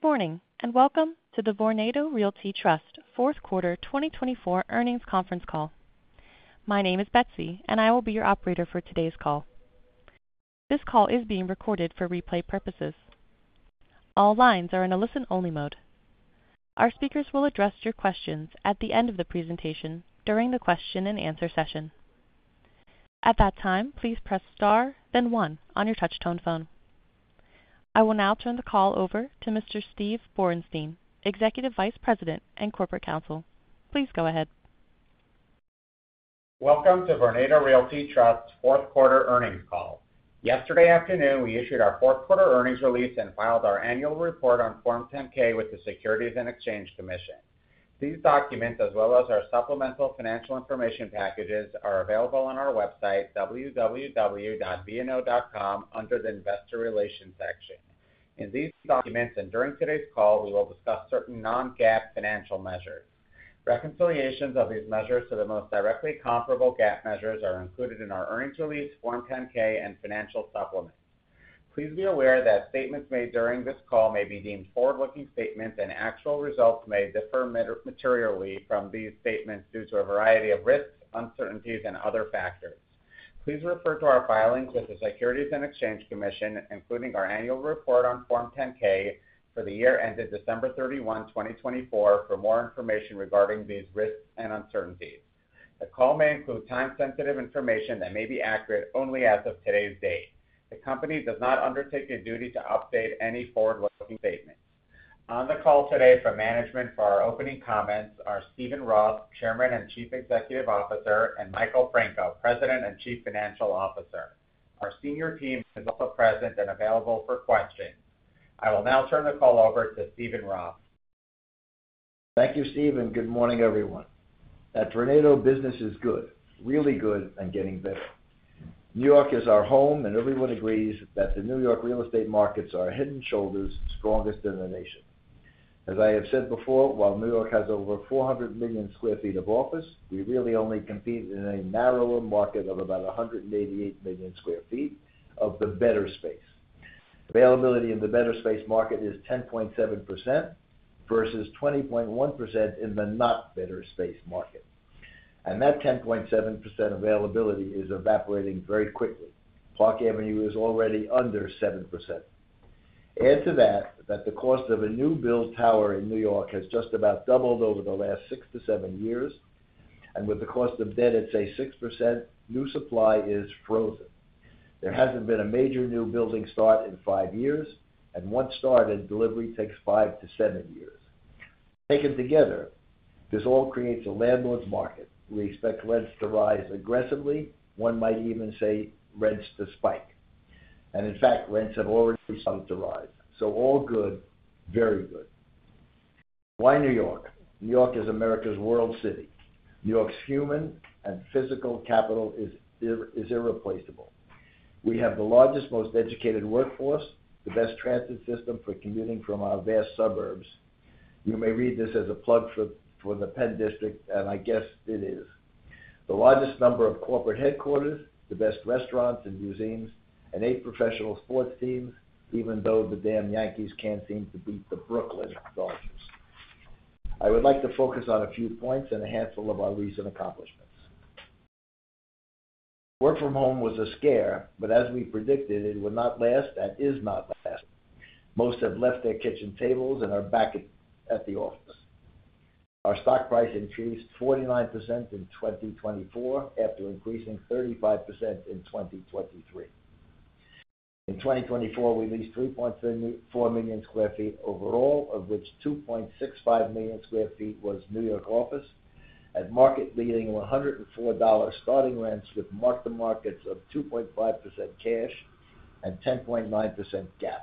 Good morning and welcome to the Vornado Realty Trust Q4 2024 Earnings Conference Call. My name is Betsy, and I will be your operator for today's call. This call is being recorded for replay purposes. All lines are in a listen-only mode. Our speakers will address your questions at the end of the presentation during the question-and-answer session. At that time, please press star, then one on your touch-tone phone. I will now turn the call over to Mr. Steve Borenstein, Executive Vice President and Corporate Counsel. Please go ahead. Welcome to Vornado Realty Trust Q4 Earnings Call. Yesterday afternoon, we issued our Q4 earnings release and filed our annual report on Form 10-K with the Securities and Exchange Commission. These documents, as well as our supplemental financial information packages, are available on our website, www.vno.com, under the Investor Relations section. In these documents and during today's call, we will discuss certain non-GAAP financial measures. Reconciliations of these measures to the most directly comparable GAAP measures are included in our earnings release, Form 10-K, and financial supplements. Please be aware that statements made during this call may be deemed forward-looking statements, and actual results may differ materially from these statements due to a variety of risks, uncertainties, and other factors. Please refer to our filings with the Securities and Exchange Commission, including our annual report on Form 10-K for the year ended 31 December 2024, for more information regarding these risks and uncertainties. The call may include time-sensitive information that may be accurate only as of today's date. The company does not undertake a duty to update any forward-looking statements. On the call today from management for our opening comments are Steven Roth, Chairman and Chief Executive Officer, and Michael Franco, President and Chief Financial Officer. Our senior team is also present and available for questions. I will now turn the call over to Steven Roth. Thank you, Steve. Good morning, everyone. At Vornado, business is good, really good, and getting better. New York is our home, and everyone agrees that the New York real estate markets are head and shoulders, strongest in the nation. As I have said before, while New York has over 400 million sq ft of office, we really only compete in a narrower market of about 188 million sq ft of the better space. Availability in the better space market is 10.7% versus 20.1% in the not better space market. That 10.7% availability is evaporating very quickly. Park Avenue is already under 7%. Add to that that the cost of a new build tower in New York has just about doubled over the last six to seven years, and with the cost of debt, it's a 6%. New supply is frozen. There hasn't been a major new building start in five years, and once started, delivery takes five to seven years. Taken together, this all creates a landlord's market. We expect rents to rise aggressively. One might even say rents to spike. And in fact, rents have already started to rise. So all good, very good. Why New York? New York is America's world city. New York's human and physical capital is irreplaceable. We have the largest, most educated workforce, the best transit system for commuting from our vast suburbs. You may read this as a plug for the PENN District, and I guess it is. The largest number of corporate headquarters, the best restaurants and museums, and eight professional sports teams, even though the damn Yankees can't seem to beat the Brooklyn Dodgers. I would like to focus on a few points and a handful of our recent accomplishments. Work from home was a scare, but as we predicted, it would not last. That did not last. Most have left their kitchen tables and are back at the office. Our stock price increased 49% in 2024 after increasing 35% in 2023. In 2024, we leased 3.4 million sq ft overall, of which 2.65 million sq ft was New York office, at market-leading $104 starting rents with mark-to-markets of 2.5% cash and 10.9% GAAP.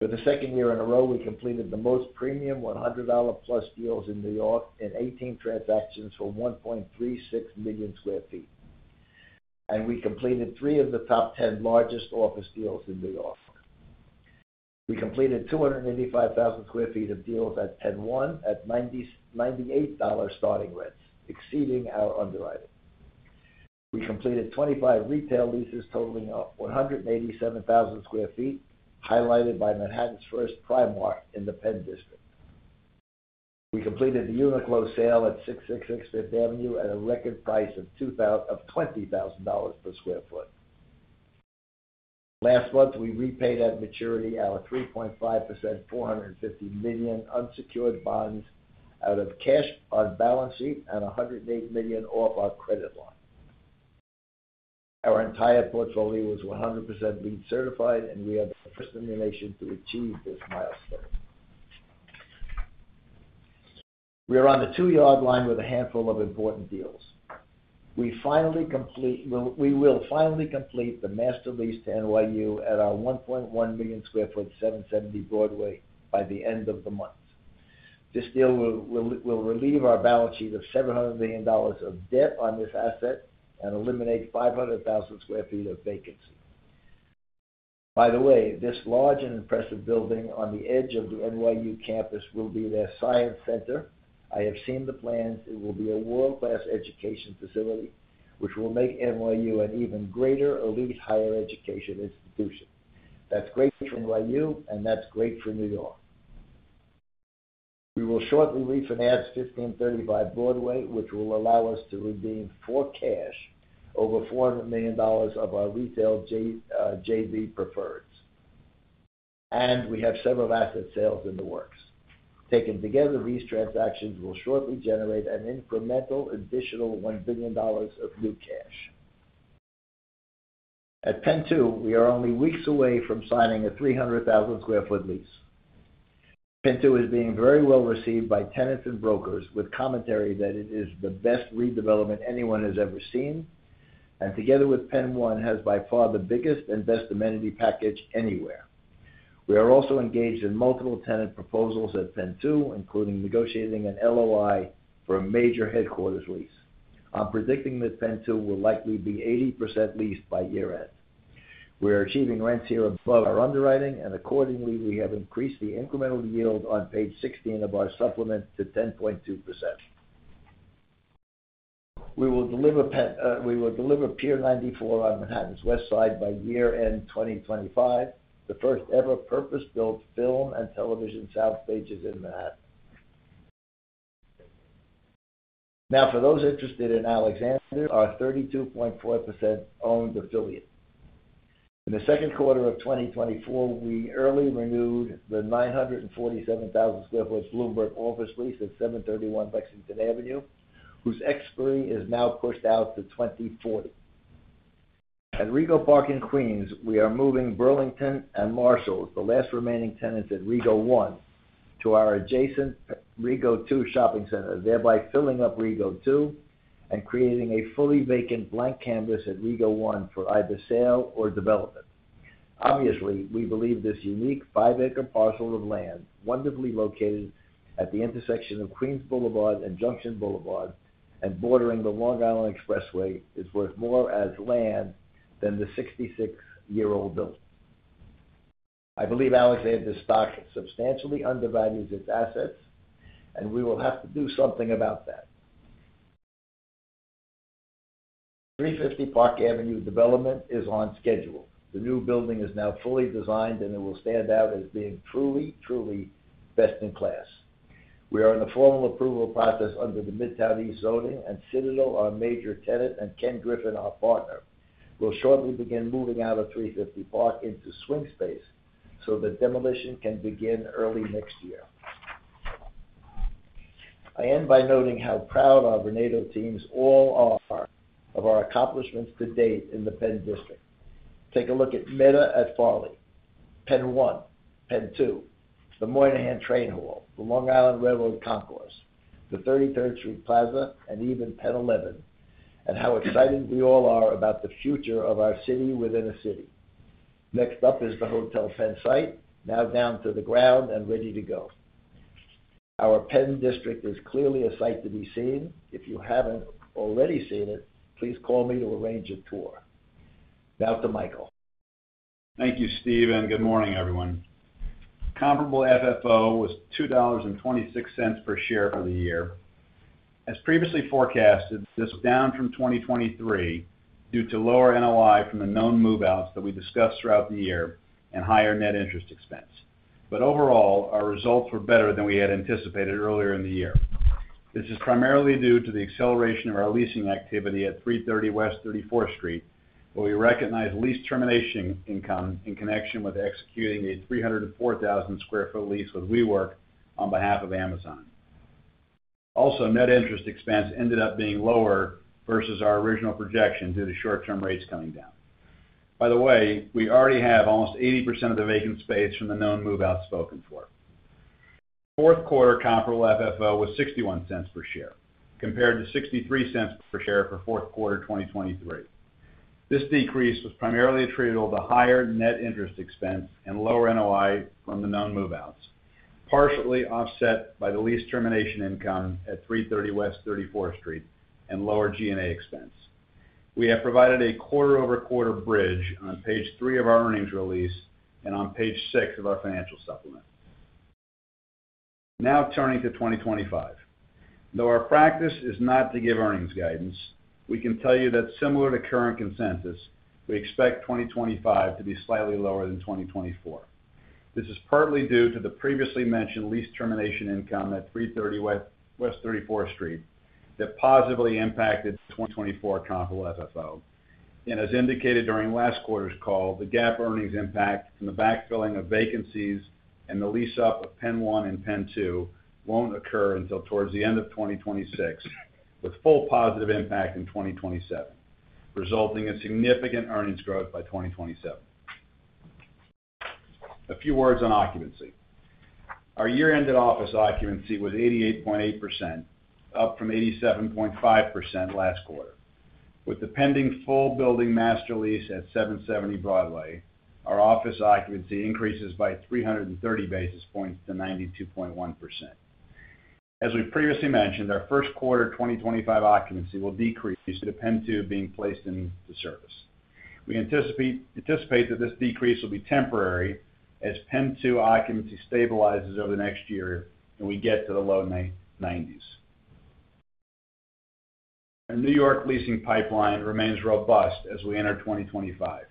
For the second year in a row, we completed the most premium $100+ deals in New York in 18 transactions for 1.36 million sq ft. We completed three of the top 10 largest office deals in New York. We completed 285,000 sq ft of deals at PENN 1 at $98 starting rents, exceeding our underwriting. We completed 25 retail leases totaling 187,000 sq ft, highlighted by Manhattan's first Primark in the PENN District. We completed the Uniqlo sale at 666 Fifth Avenue at a record price of $20,000 per sq ft. Last month, we repaid at maturity our 3.5%, $450 million unsecured bonds out of cash on balance sheet and $108 million off our credit line. Our entire portfolio was 100% LEED certified, and we are the first in the nation to achieve this milestone. We are on the two-yard line with a handful of important deals. We will finally complete the master lease to NYU at our 1.1 million sq ft 770 Broadway by the end of the month. This deal will relieve our balance sheet of $700 million of debt on this asset and eliminate 500,000 sq ft of vacancy. By the way, this large and impressive building on the edge of the NYU campus will be their science center. I have seen the plans. It will be a world-class education facility, which will make NYU an even greater elite higher education institution. That's great for NYU, and that's great for New York. We will shortly refinance 1535 Broadway, which will allow us to redeem for cash over $400 million of our retail JV preferreds. And we have several asset sales in the works. Taken together, these transactions will shortly generate an incremental additional $1 billion of new cash. At PENN 2, we are only weeks away from signing a 300,000 sq ft lease. PENN 2 is being very well received by tenants and brokers, with commentary that it is the best redevelopment anyone has ever seen, and together with PENN 1 has by far the biggest and best amenity package anywhere. We are also engaged in multiple tenant proposals at PENN 2, including negotiating an LOI for a major headquarters lease. I'm predicting that PENN 2 will likely be 80% leased by year-end. We are achieving rents here above our underwriting, and accordingly, we have increased the incremental yield on Page 16 of our supplement to 10.2%. We will deliver Pier 94 on Manhattan's West Side by year-end 2025, the first ever purpose-built film and television soundstages in Manhattan. Now, for those interested in Alexander's, our 32.4% owned affiliate. In the Q2 of 2024, we early renewed the 947,000 sq ft Bloomberg office lease at 731 Lexington Avenue, whose expiry is now pushed out to 2040. At Rego Park in Queens, we are moving Burlington and Marshalls, the last remaining tenants at Rego One, to our adjacent Rego Two shopping center, thereby filling up Rego Two and creating a fully vacant blank canvas at Rego One for either sale or development. Obviously, we believe this unique five-acre parcel of land, wonderfully located at the intersection of Queens Boulevard and Junction Boulevard and bordering the Long Island Expressway, is worth more as land than the 66-year-old building. I believe Alexander's stock substantially undervalues its assets, and we will have to do something about that. 350 Park Avenue development is on schedule. The new building is now fully designed, and it will stand out as being truly, truly best in class. We are in the formal approval process under the Midtown East Zoning, and Citadel, our major tenant, and Ken Griffin, our partner, will shortly begin moving out of 350 Park into swing space so that demolition can begin early next year. I end by noting how proud our Vornado teams all are of our accomplishments to date in the PENN District. Take a look at Meta at Farley, PENN 1, PENN 2, the Moynihan Train Hall, the Long Island Rail Road Concourse, the 33rd Street Plaza, and even PENN 11, and how excited we all are about the future of our city within a city. Next up is the Hotel PENN site, now down to the ground and ready to go. Our PENN District is clearly a site to be seen. If you haven't already seen it, please call me to arrange a tour. Now to Michael. Thank you, Steve, and good morning, everyone. Comparable FFO was $2.26 per share for the year. As previously forecasted, this was down from 2023 due to lower NOI from the known move-outs that we discussed throughout the year and higher net interest expense. But overall, our results were better than we had anticipated earlier in the year. This is primarily due to the acceleration of our leasing activity at 330 West 34th Street, where we recognize lease termination income in connection with executing a 304,000 sq ft lease with WeWork on behalf of Amazon. Also, net interest expense ended up being lower versus our original projection due to short-term rates coming down. By the way, we already have almost 80% of the vacant space from the known move-outs spoken for. Q4 comparable FFO was $0.61 per share, compared to $0.63 per share for Q4 2023. This decrease was primarily attributable to higher net interest expense and lower NOI from the known move-outs, partially offset by the lease termination income at 330 West 34th Street and lower G&A expense. We have provided a quarter-over-quarter bridge on page three of our earnings release and on page six of our financial supplement. Now turning to 2025. Though our practice is not to give earnings guidance, we can tell you that similar to current consensus, we expect 2025 to be slightly lower than 2024. This is partly due to the previously mentioned lease termination income at 330 West 34th Street that positively impacted 2024 comparable FFO. As indicated during last quarter's call, the GAAP earnings impact from the backfilling of vacancies and the lease-up of PENN 1 and PENN 2 won't occur until towards the end of 2026, with full positive impact in 2027, resulting in significant earnings growth by 2027. A few words on occupancy. Our year-ended office occupancy was 88.8%, up from 87.5% last quarter. With the pending full building master lease at 770 Broadway, our office occupancy increases by 330 basis points to 92.1%. As we previously mentioned, our Q1 2025 occupancy will decrease due to PENN 2 being placed into service. We anticipate that this decrease will be temporary as PENN 2 occupancy stabilizes over the next year and we get to the low 90s. Our New York leasing pipeline remains robust as we enter 2025.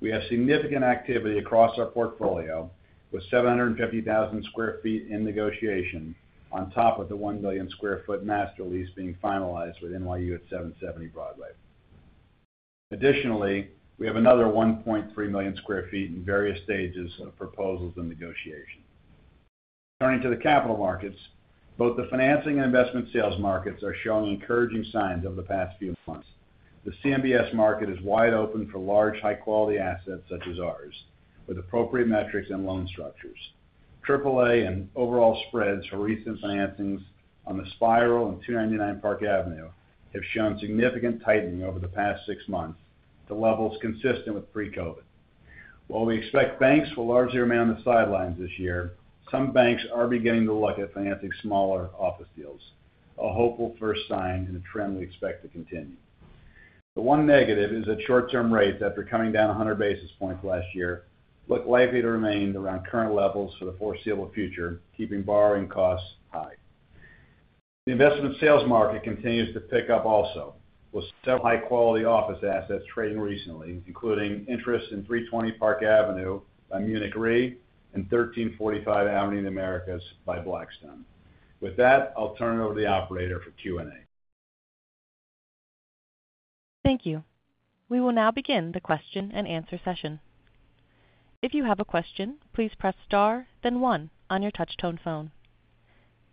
We have significant activity across our portfolio with 750,000 sq ft in negotiation, on top of the 1 million sq ft master lease being finalized with NYU at 770 Broadway. Additionally, we have another 1.3 million sq ft in various stages of proposals and negotiation. Turning to the capital markets, both the financing and investment sales markets are showing encouraging signs over the past few months. The CMBS market is wide open for large, high-quality assets such as ours, with appropriate metrics and loan structures. AAA and overall spreads for recent financings on The Spiral and 299 Park Avenue have shown significant tightening over the past six months to levels consistent with pre-COVID. While we expect banks will largely remain on the sidelines this year, some banks are beginning to look at financing smaller office deals, a hopeful first sign in a trend we expect to continue. The one negative is that short-term rates, after coming down 100 basis points last year, look likely to remain around current levels for the foreseeable future, keeping borrowing costs high. The investment sales market continues to pick up also, with several high-quality office assets trading recently, including interest in 320 Park Avenue by Munich Re and 1345 Avenue of the Americas by Blackstone. With that, I'll turn it over to the operator for Q&A. Thank you. We will now begin the question and answer session. If you have a question, please press star, then one on your touch-tone phone.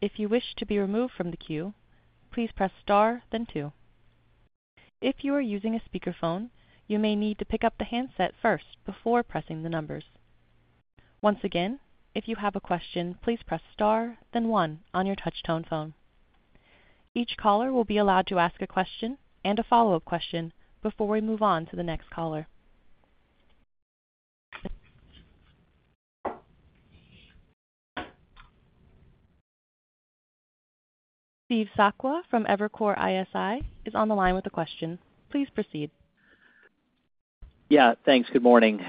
If you wish to be removed from the queue, please press star, then two. If you are using a speakerphone, you may need to pick up the handset first before pressing the numbers. Once again, if you have a question, please press star, then one on your touch-tone phone. Each caller will be allowed to ask a question and a follow-up question before we move on to the next caller. Steve Sakwa from Evercore ISI is on the line with a question. Please proceed. Yeah, thanks. Good morning.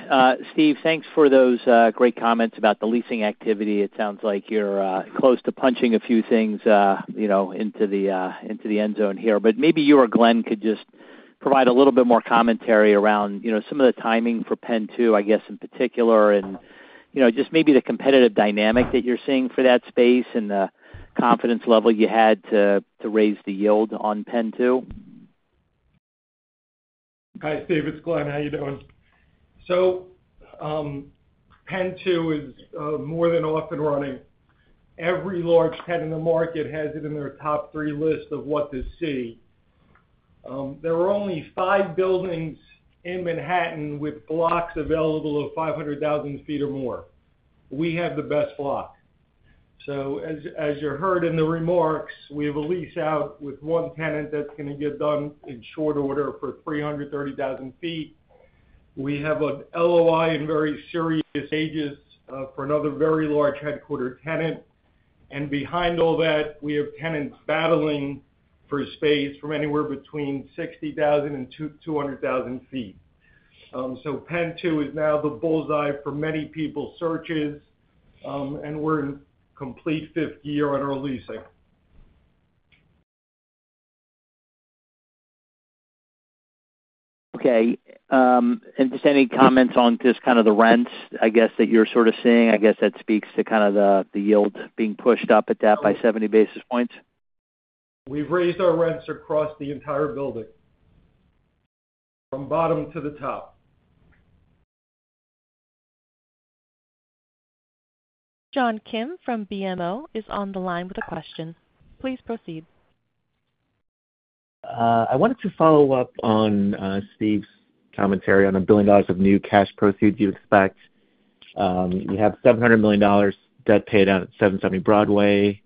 Steve, thanks for those great comments about the leasing activity. It sounds like you're close to punching a few things into the end zone here. But maybe you or Glen could just provide a little bit more commentary around some of the timing for PENN 2, I guess, in particular, and just maybe the competitive dynamic that you're seeing for that space and the confidence level you had to raise the yield on PENN 2. Hi, Steve. It's Glen. How are you doing? So PENN 2 is more than often running. Every large tenant in the market has it in their top three list of what to see. There are only five buildings in Manhattan with blocks available of 500,000 sq ft or more. We have the best block. So as you heard in the remarks, we have a lease out with one tenant that's going to get done in short order for 330,000 sq ft. We have an LOI in very serious stages for another very large headquarters tenant. And behind all that, we have tenants battling for space from anywhere between 60,000 and 200,000 sq ft. So PENN 2 is now the bullseye for many people's searches, and we're in complete fifth year on our leasing. Okay. And just any comments on just kind of the rents, I guess, that you're sort of seeing? I guess that speaks to kind of the yields being pushed up at that by 70 basis points. We've raised our rents across the entire building, from bottom to the top. John Kim from BMO is on the line with a question. Please proceed. I wanted to follow up on Steve's commentary on $1 billion of new cash proceeds you expect. You have $700 million debt paid out at 770 Broadway,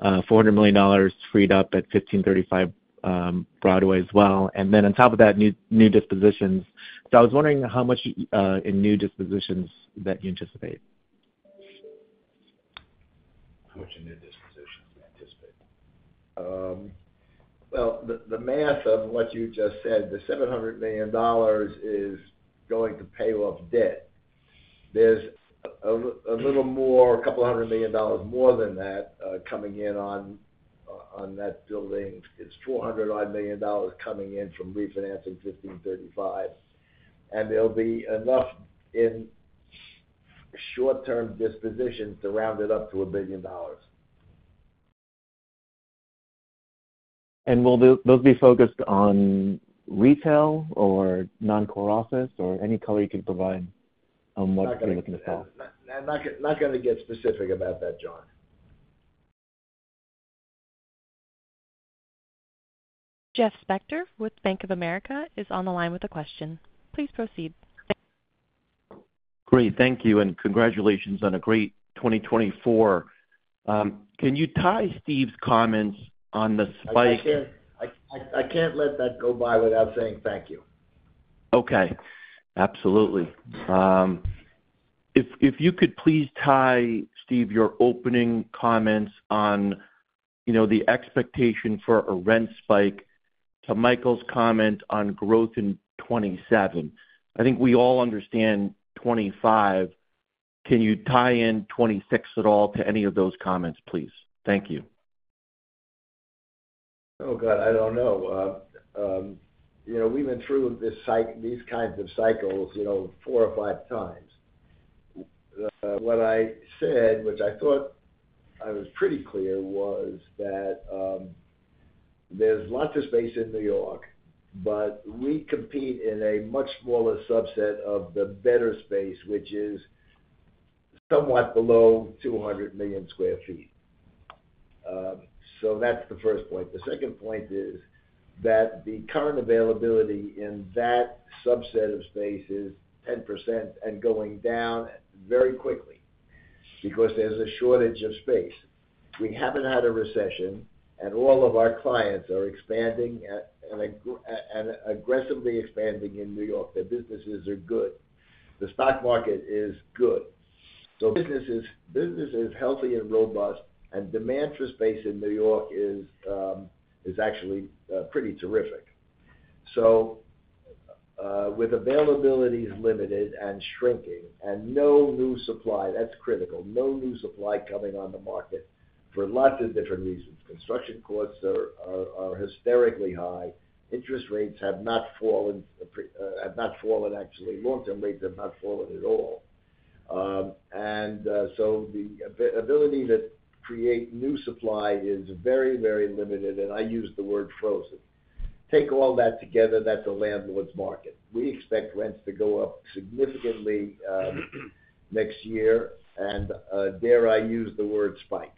$400 million freed up at 1535 Broadway as well, and then on top of that, new dispositions, so I was wondering how much in new dispositions that you anticipate. How much in new dispositions do you anticipate? Well, the math of what you just said, the $700 million is going to pay off debt. There's a little more, a couple hundred million dollars more than that coming in on that building. It's $400 million coming in from refinancing 1535 Broadway. And there'll be enough in short-term dispositions to round it up to $1 billion. Will those be focused on retail or non-core office or any color you can provide on what you're looking to sell? Not going to get specific about that, John. Jeff Spector with Bank of America is on the line with a question. Please proceed. Great. Thank you. And congratulations on a great 2024. Can you tie Steve's comments on the spike? Thank you. I can't let that go by without saying thank you. Okay. Absolutely. If you could please tie, Steve, your opening comments on the expectation for a rent spike to Michael's comment on growth in 2027. I think we all understand 2025. Can you tie in 2026 at all to any of those comments, please? Thank you. Oh, God, I don't know. We've been through these kinds of cycles four or five times. What I said, which I thought I was pretty clear, was that there's lots of space in New York, but we compete in a much smaller subset of the better space, which is somewhat below 200 million sq ft. So that's the first point. The second point is that the current availability in that subset of space is 10% and going down very quickly because there's a shortage of space. We haven't had a recession, and all of our clients are expanding and aggressively expanding in New York. Their businesses are good. The stock market is good. So, business is healthy and robust, and demand for space in New York is actually pretty terrific. So with availabilities limited and shrinking and no new supply, that's critical, no new supply coming on the market for lots of different reasons. Construction costs are hysterically high. Interest rates have not fallen, have not fallen actually. Long-term rates have not fallen at all. And so the ability to create new supply is very, very limited, and I use the word frozen. Take all that together, that's a landlord's market. We expect rents to go up significantly next year, and dare I use the word spike.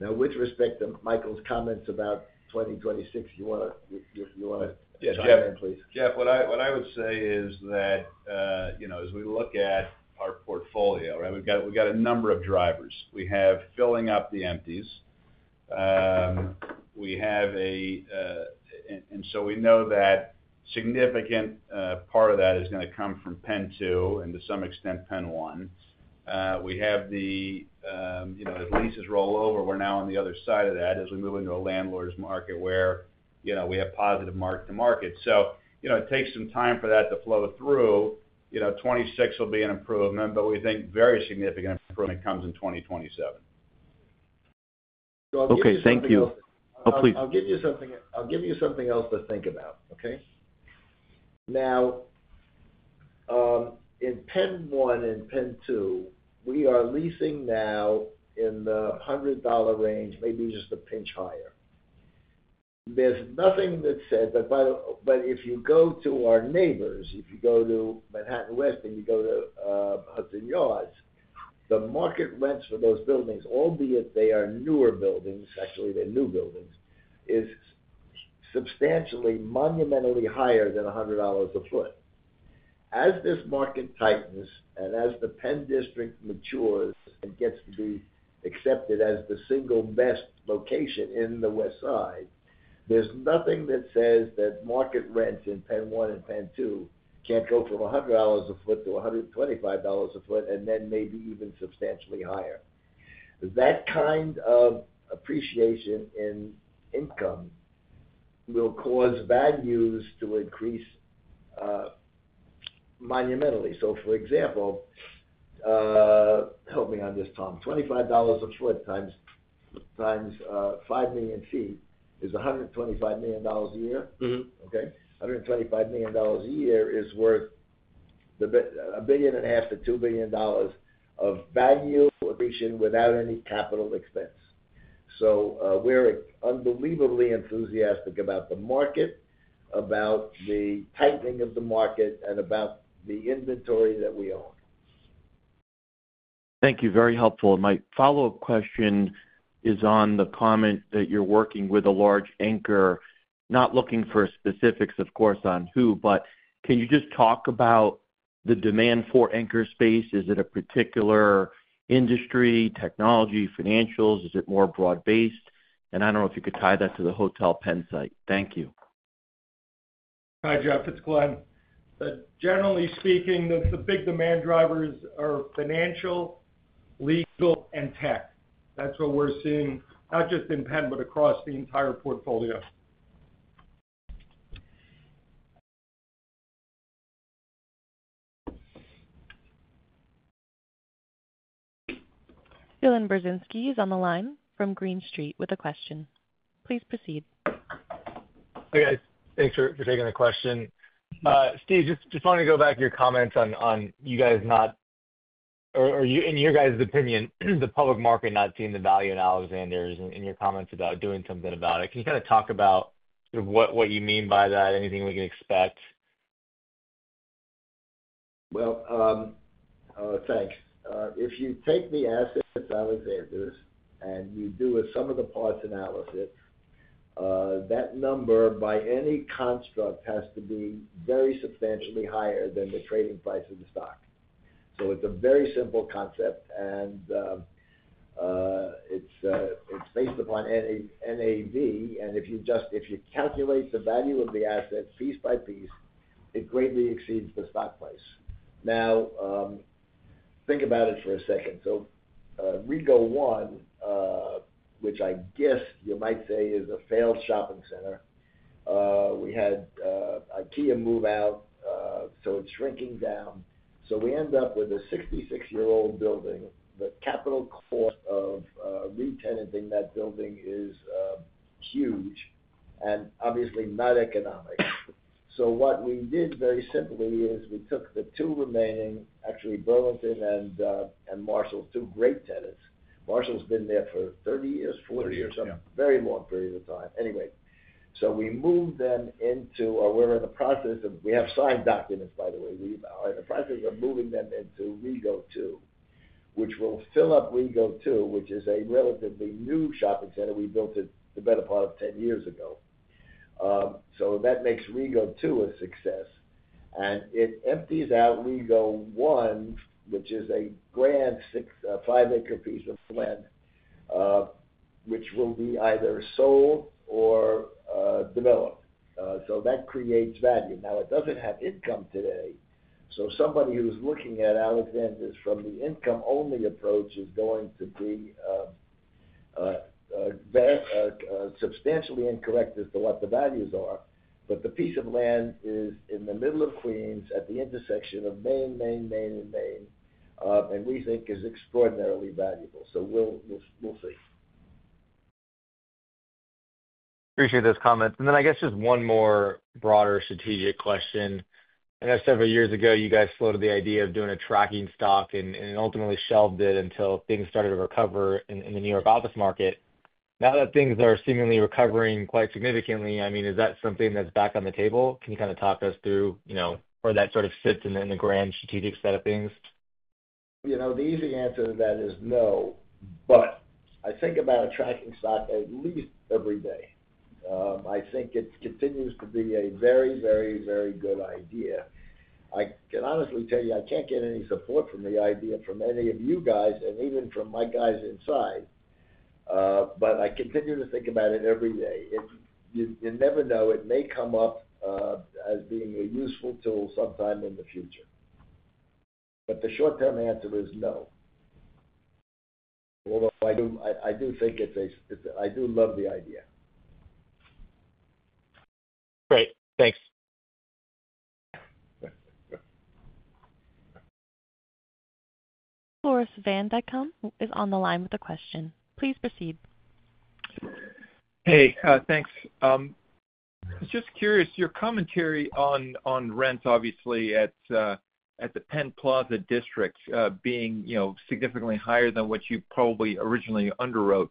Now, with respect to Michael's comments about 2026, you want to chime in, please? Yeah. Jeff, what I would say is that as we look at our portfolio, we've got a number of drivers. We have filling up the empties. We have, and so we know that a significant part of that is going to come from PENN 2 and to some extent PENN 1. We have, as leases roll over, we're now on the other side of that as we move into a landlord's market where we have positive mark-to-market. So it takes some time for that to flow through. 2026 will be an improvement, but we think very significant improvement comes in 2027. Okay. Thank you. Oh, please. I'll give you something else to think about, okay? Now, in PENN 1 and PENN 2, we are leasing now in the $100 range, maybe just a pinch higher. There's nothing that said, but if you go to our neighbors, if you go to Manhattan West and you go to Hudson Yards, the market rents for those buildings, albeit they are newer buildings, actually they're new buildings, is substantially, monumentally higher than $100 a foot. As this market tightens and as the PENN District matures and gets to be accepted as the single best location in the West Side, there's nothing that says that market rents in PENN 1 and PENN 2 can't go from $100 a foot–$125 a foot and then maybe even substantially higher. That kind of appreciation in income will cause values to increase monumentally. So, for example, help me on this, Tom. $25 a foot times 5 million feet is $125 million a year, okay? $125 million a year is worth $1.5 billion–$2 billion of value appreciation without any capital expense. So we're unbelievably enthusiastic about the market, about the tightening of the market, and about the inventory that we own. Thank you. Very helpful. My follow-up question is on the comment that you're working with a large anchor, not looking for specifics, of course, on who, but can you just talk about the demand for anchor space? Is it a particular industry, technology, financials? Is it more broad-based? I don't know if you could tie that to the Hotel Pennsylvania site. Thank you. Hi, Jeff. It's Glen. But generally speaking, the big demand drivers are financial, legal, and tech. That's what we're seeing, not just in PENN, but across the entire portfolio. Dylan Burzinski is on the line from Green Street with a question. Please proceed. Okay. Thanks for taking the question. Steve, just wanted to go back to your comments on you guys not, or in your guys' opinion, the public market not seeing the value in Alexander's and your comments about doing something about it. Can you kind of talk about what you mean by that? Anything we can expect? Well, thanks. If you take the assets of Alexander's and you do sum-of-the-parts analysis, that number by any construct has to be very substantially higher than the trading price of the stock. So it's a very simple concept, and it's based upon NAV. And if you calculate the value of the asset piece by piece, it greatly exceeds the stock price. Now, think about it for a second. So Rego One, which I guess you might say is a failed shopping center, we had IKEA move out, so it's shrinking down. So we end up with a 66-year-old building. The capital cost of re-tenanting that building is huge and obviously not economic. So what we did very simply is we took the two remaining, actually Burlington and Marshalls, two great tenants. Marshalls has been there for 30 years, 40 years, some very long period of time. Anyway, we have signed documents, by the way. We are in the process of moving them into Rego Two, which will fill up Rego Two, which is a relatively new shopping center we built at the better part of 10 years ago. So that makes Rego Two a success. And it empties out Rego One, which is a grand five-acre piece of land, which will be either sold or developed. So that creates value. Now, it doesn't have income today. So somebody who's looking at Alexander's from the income-only approach is going to be substantially incorrect as to what the values are. But the piece of land is in the middle of Queens at the intersection of Queens Boulevard, Junction Boulevard, the Long Island Expressway, and 99th Street, and we think is extraordinarily valuable. So we'll see. Appreciate those comments, and then I guess just one more broader strategic question. I know several years ago you guys floated the idea of doing a tracking stock and ultimately shelved it until things started to recover in the New York office market. Now that things are seemingly recovering quite significantly, I mean, is that something that's back on the table? Can you kind of talk us through where that sort of sits in the grand strategic set of things? The easy answer to that is no, but I think about a tracking stock at least every day. I think it continues to be a very, very, very good idea. I can honestly tell you I can't get any support from the idea from any of you guys and even from my guys inside, but I continue to think about it every day. You never know. It may come up as being a useful tool sometime in the future. But the short-term answer is no. Although I do think it's a I do love the idea. Great. Thanks. Floris Van Dijkum is on the line with a question. Please proceed. Hey. Thanks. Just curious, your commentary on rents, obviously, at the PENN District being significantly higher than what you probably originally underwrote.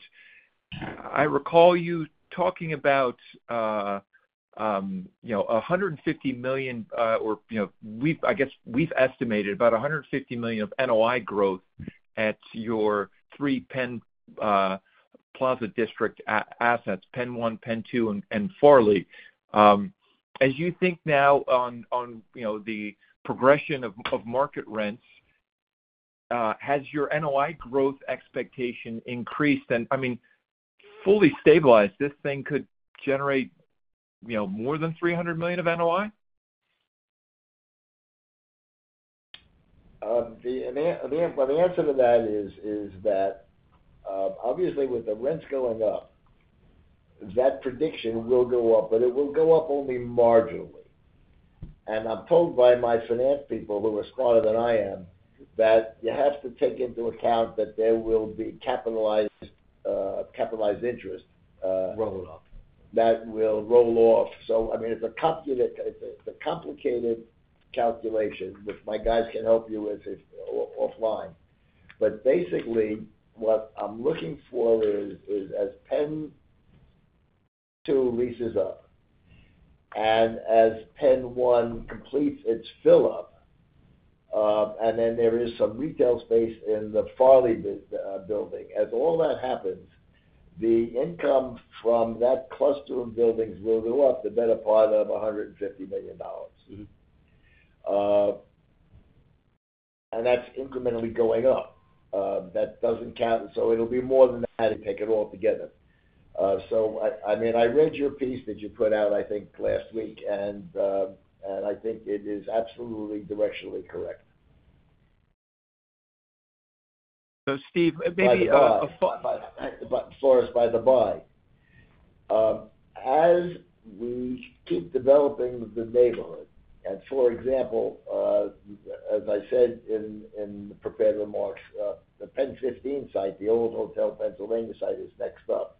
I recall you talking about $150 million or I guess we've estimated about $150 million of NOI growth at your three PENN District assets, PENN 1, PENN 2, and Farley. As you think now on the progression of market rents, has your NOI growth expectation increased and, I mean, fully stabilized? This thing could generate more than $300 million of NOI? The answer to that is that obviously with the rents going up, that prediction will go up, but it will go up only marginally, and I'm told by my finance people who are smarter than I am that you have to take into account that there will be capitalized interest. Roll it off. That will roll off. So, I mean, it's a complicated calculation, which my guys can help you with offline. But basically, what I'm looking for is as PENN 2 leases up and as PENN 1 completes its fill up, and then there is some retail space in the Farley Building. As all that happens, the income from that cluster of buildings will go up the better part of $150 million. And that's incrementally going up. That doesn't count, so it'll be more than that. Take it all together. So, I mean, I read your piece that you put out, I think, last week, and I think it is absolutely directionally correct. Steve, maybe a thought. But, Floris, by the by, as we keep developing the neighborhood, and for example, as I said in the prepared remarks, the PENN 15 site, the old Hotel Pennsylvania site, is next up.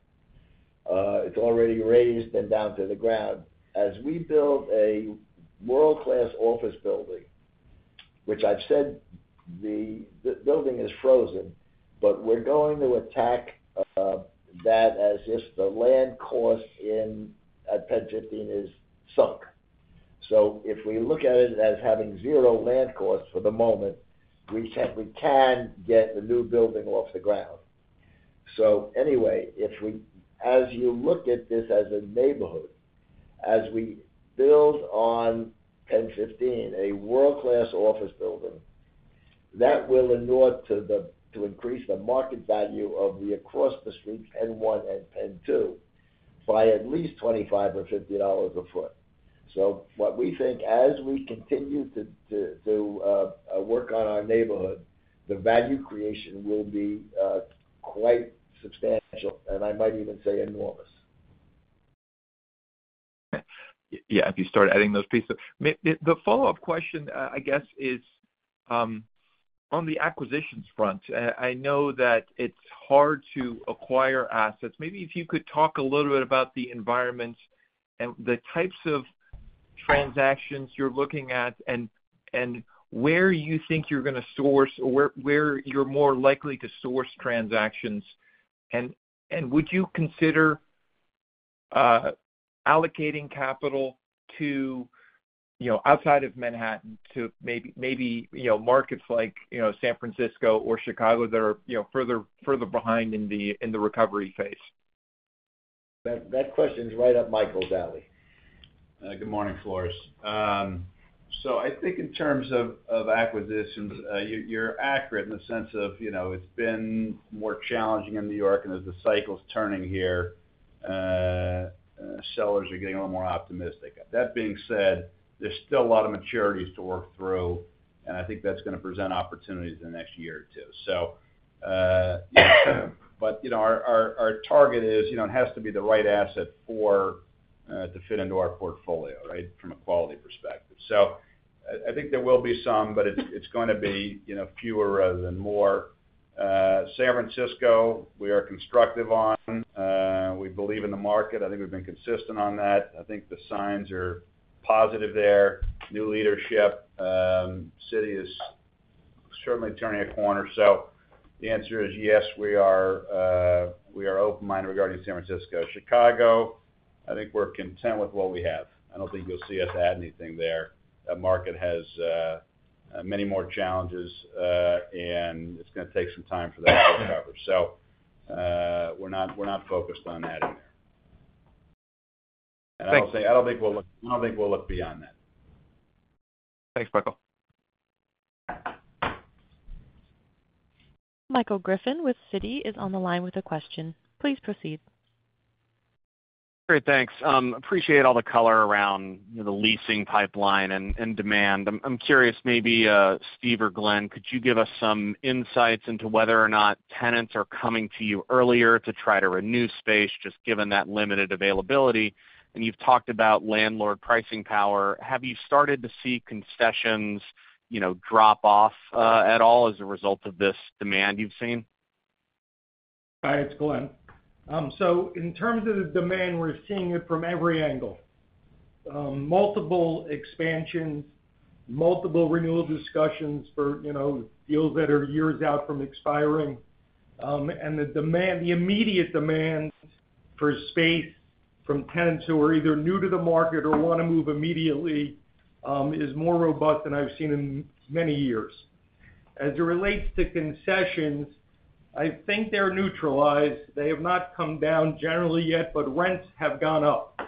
It's already razed and down to the ground. As we build a world-class office building, which I've said the building is frozen, but we're going to attack that as if the land cost in PENN 15 is sunk. So if we look at it as having zero land cost for the moment, we can get the new building off the ground. So anyway, as you look at this as a neighborhood, as we build on PENN 15 a world-class office building, that will, in order to increase the market value of the across-the-street PENN 1 and PENN 2, by at least $25 or $50 a foot. So what we think, as we continue to work on our neighborhood, the value creation will be quite substantial, and I might even say enormous. Yeah. If you start adding those pieces. The follow-up question, I guess, is on the acquisitions front. I know that it's hard to acquire assets. Maybe if you could talk a little bit about the environment and the types of transactions you're looking at and where you think you're going to source or where you're more likely to source transactions, and would you consider allocating capital outside of Manhattan to maybe markets like San Francisco or Chicago that are further behind in the recovery phase? That question's right up Michael's alley. Good morning, Floris. So I think in terms of acquisitions, you're accurate in the sense of it's been more challenging in New York, and as the cycle's turning here, sellers are getting a little more optimistic. That being said, there's still a lot of maturities to work through, and I think that's going to present opportunities in the next year or two. So, yeah. But our target is it has to be the right asset to fit into our portfolio, right, from a quality perspective. So I think there will be some, but it's going to be fewer rather than more. San Francisco, we are constructive on. We believe in the market. I think we've been consistent on that. I think the signs are positive there. New leadership. City is certainly turning a corner. So the answer is yes, we are open-minded regarding San Francisco. Chicago, I think we're content with what we have. I don't think you'll see us add anything there. That market has many more challenges, and it's going to take some time for that to recover. So we're not focused on adding there. And I don't think we'll look beyond that. Thanks, Michael. Michael Griffin with Citi is on the line with a question. Please proceed. Great. Thanks. Appreciate all the color around the leasing pipeline and demand. I'm curious, maybe Steve or Glen, could you give us some insights into whether or not tenants are coming to you earlier to try to renew space, just given that limited availability? And you've talked about landlord pricing power. Have you started to see concessions drop off at all as a result of this demand you've seen? Hi, it's Glen, so in terms of the demand, we're seeing it from every angle. Multiple expansions, multiple renewal discussions for deals that are years out from expiring, and the immediate demand for space from tenants who are either new to the market or want to move immediately is more robust than I've seen in many years. As it relates to concessions, I think they're neutralized. They have not come down generally yet, but rents have gone up,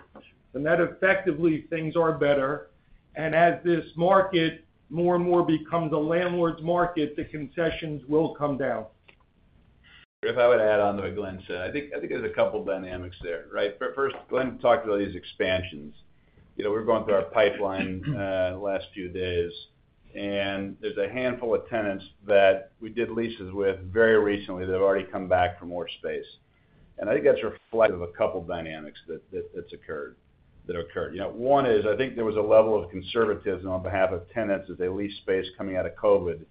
and that effectively things are better, and as this market more and more becomes a landlord's market, the concessions will come down. If I would add on to what Glen said, I think there's a couple of dynamics there, right? First, Glen talked about these expansions. We're going through our pipeline the last few days, and there's a handful of tenants that we did leases with very recently that have already come back for more space. And I think that's a reflection of a couple of dynamics that have occurred. One is I think there was a level of conservatism on behalf of tenants as they leased space coming out of COVID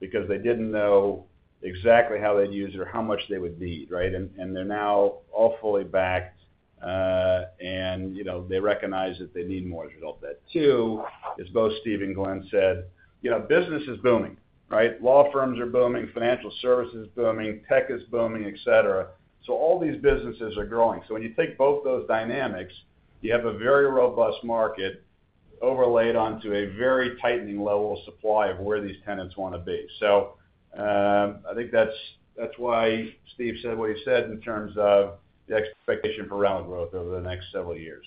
because they didn't know exactly how they'd use it or how much they would need, right? And they're now all fully backed, and they recognize that they need more as a result of that. Two, as both Steve and Glen said, business is booming, right? Law firms are booming, financial services are booming, tech is booming, etc. So all these businesses are growing. So when you take both those dynamics, you have a very robust market overlaid onto a very tightening level of supply of where these tenants want to be. So I think that's why Steve said what he said in terms of the expectation for rent growth over the next several years.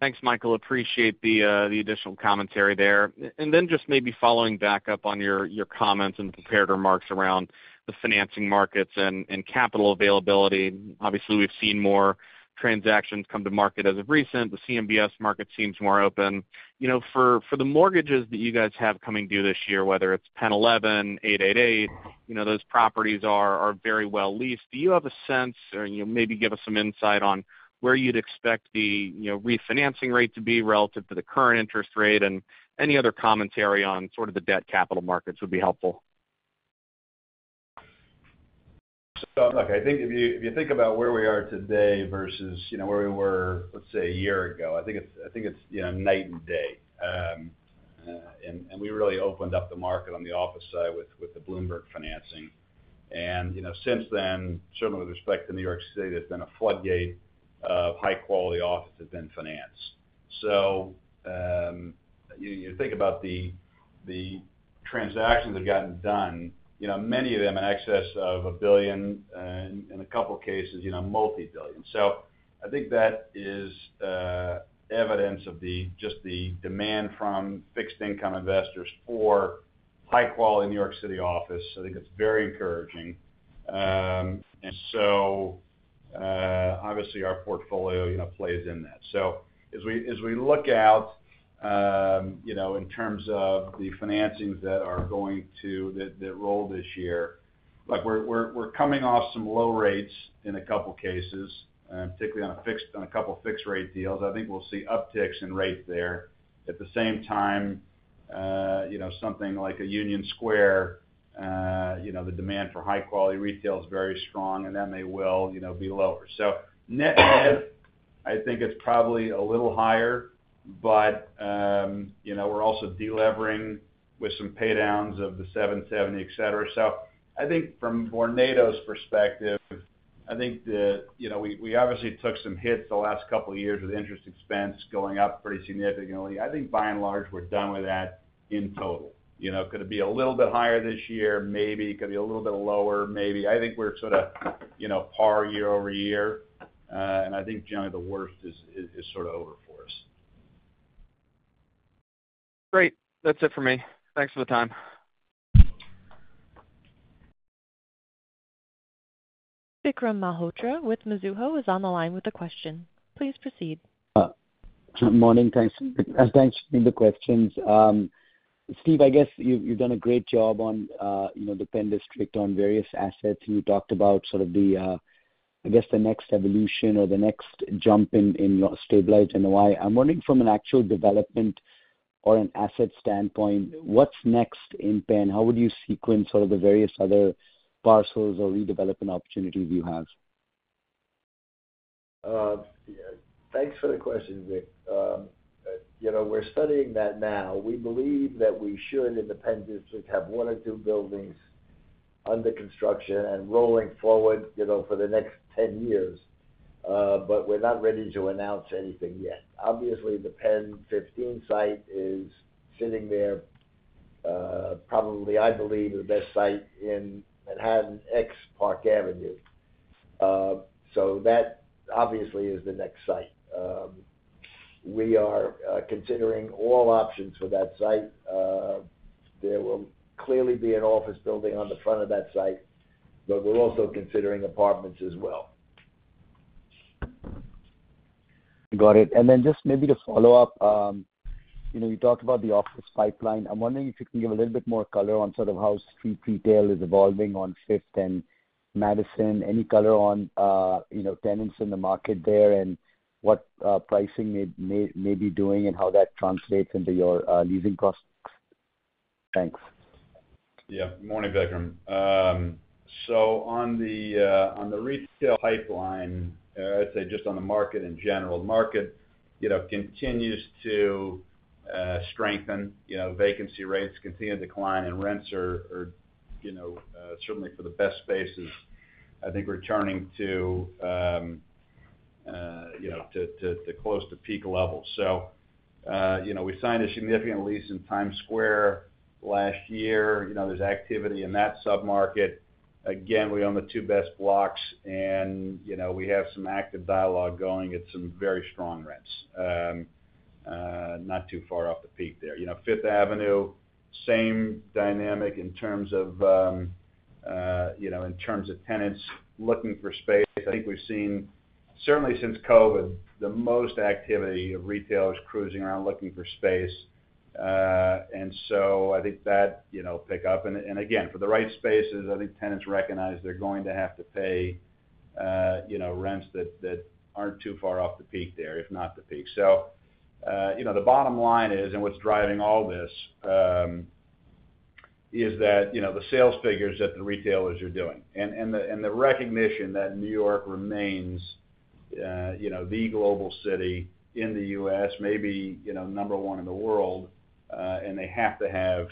Thanks, Michael. Appreciate the additional commentary there. And then just maybe following back up on your comments and prepared remarks around the financing markets and capital availability. Obviously, we've seen more transactions come to market as of recent. The CMBS market seems more open. For the mortgages that you guys have coming due this year, whether it's PENN 11, 888, those properties are very well leased. Do you have a sense or maybe give us some insight on where you'd expect the refinancing rate to be relative to the current interest rate? And any other commentary on sort of the debt capital markets would be helpful. So look, I think if you think about where we are today versus where we were, let's say, a year ago, I think it's night and day. And we really opened up the market on the office side with the Bloomberg Financing. And since then, certainly with respect to New York City, there's been a floodgate of high-quality office that's been financed. So you think about the transactions that have gotten done, many of them in excess of $1 billion, in a couple of cases, multi-billion. So I think that is evidence of just the demand from fixed-income investors for high-quality New York City office. I think it's very encouraging. And so obviously, our portfolio plays in that. So as we look out in terms of the financings that are going to roll this year, look, we're coming off some low rates in a couple of cases, particularly on a couple of fixed-rate deals. I think we'll see upticks in rates there. At the same time, something like a Union Square, the demand for high-quality retail is very strong, and that may well be lower. So net-net, I think it's probably a little higher, but we're also delivering with some paydowns of the 770, etc. So I think from Vornado's perspective, I think we obviously took some hits the last couple of years with interest expense going up pretty significantly. I think by and large, we're done with that in total. Could it be a little bit higher this year? Maybe. Could it be a little bit lower? Maybe. I think we're sort of par year-over-year, and I think generally the worst is sort of over for us. Great. That's it for me. Thanks for the time. Vikram Malhotra with Mizuho is on the line with a question. Please proceed. Good morning. Thanks for the questions. Steve, I guess you've done a great job on the PENN District on various assets. You talked about sort of the, I guess, the next evolution or the next jump in stabilized NOI. I'm wondering from an actual development or an asset standpoint, what's next in PENN? How would you sequence sort of the various other parcels or redevelopment opportunities you have? Thanks for the question, Vic. We're studying that now. We believe that we should, in the PENN District, have one or two buildings under construction and rolling forward for the next 10 years, but we're not ready to announce anything yet. Obviously, the PENN 15 site is sitting there probably, I believe, the best site in Manhattan ex-Park Avenue. So that obviously is the next site. We are considering all options for that site. There will clearly be an office building on the front of that site, but we're also considering apartments as well. Got it. And then just maybe to follow up, you talked about the office pipeline. I'm wondering if you can give a little bit more color on sort of how street retail is evolving on Fifth and Madison. Any color on tenants in the market there and what pricing may be doing and how that translates into your leasing prices? Thanks. Yeah. Good morning, Vikram. So on the retail pipeline, I'd say just on the market in general, the market continues to strengthen. Vacancy rates continue to decline, and rents are certainly for the best spaces, I think, returning to close to peak levels. So we signed a significant lease in Times Square last year. There's activity in that submarket. Again, we own the two best blocks, and we have some active dialogue going at some very strong rents, not too far off the peak there. Fifth Avenue, same dynamic in terms of tenants looking for space. I think we've seen, certainly since COVID, the most activity of retailers cruising around looking for space. And so I think that will pick up. And again, for the right spaces, I think tenants recognize they're going to have to pay rents that aren't too far off the peak there, if not the peak. So the bottom line is, and what's driving all this is that the sales figures that the retailers are doing and the recognition that New York remains the global city in the U.S., maybe number one in the world, and they have to have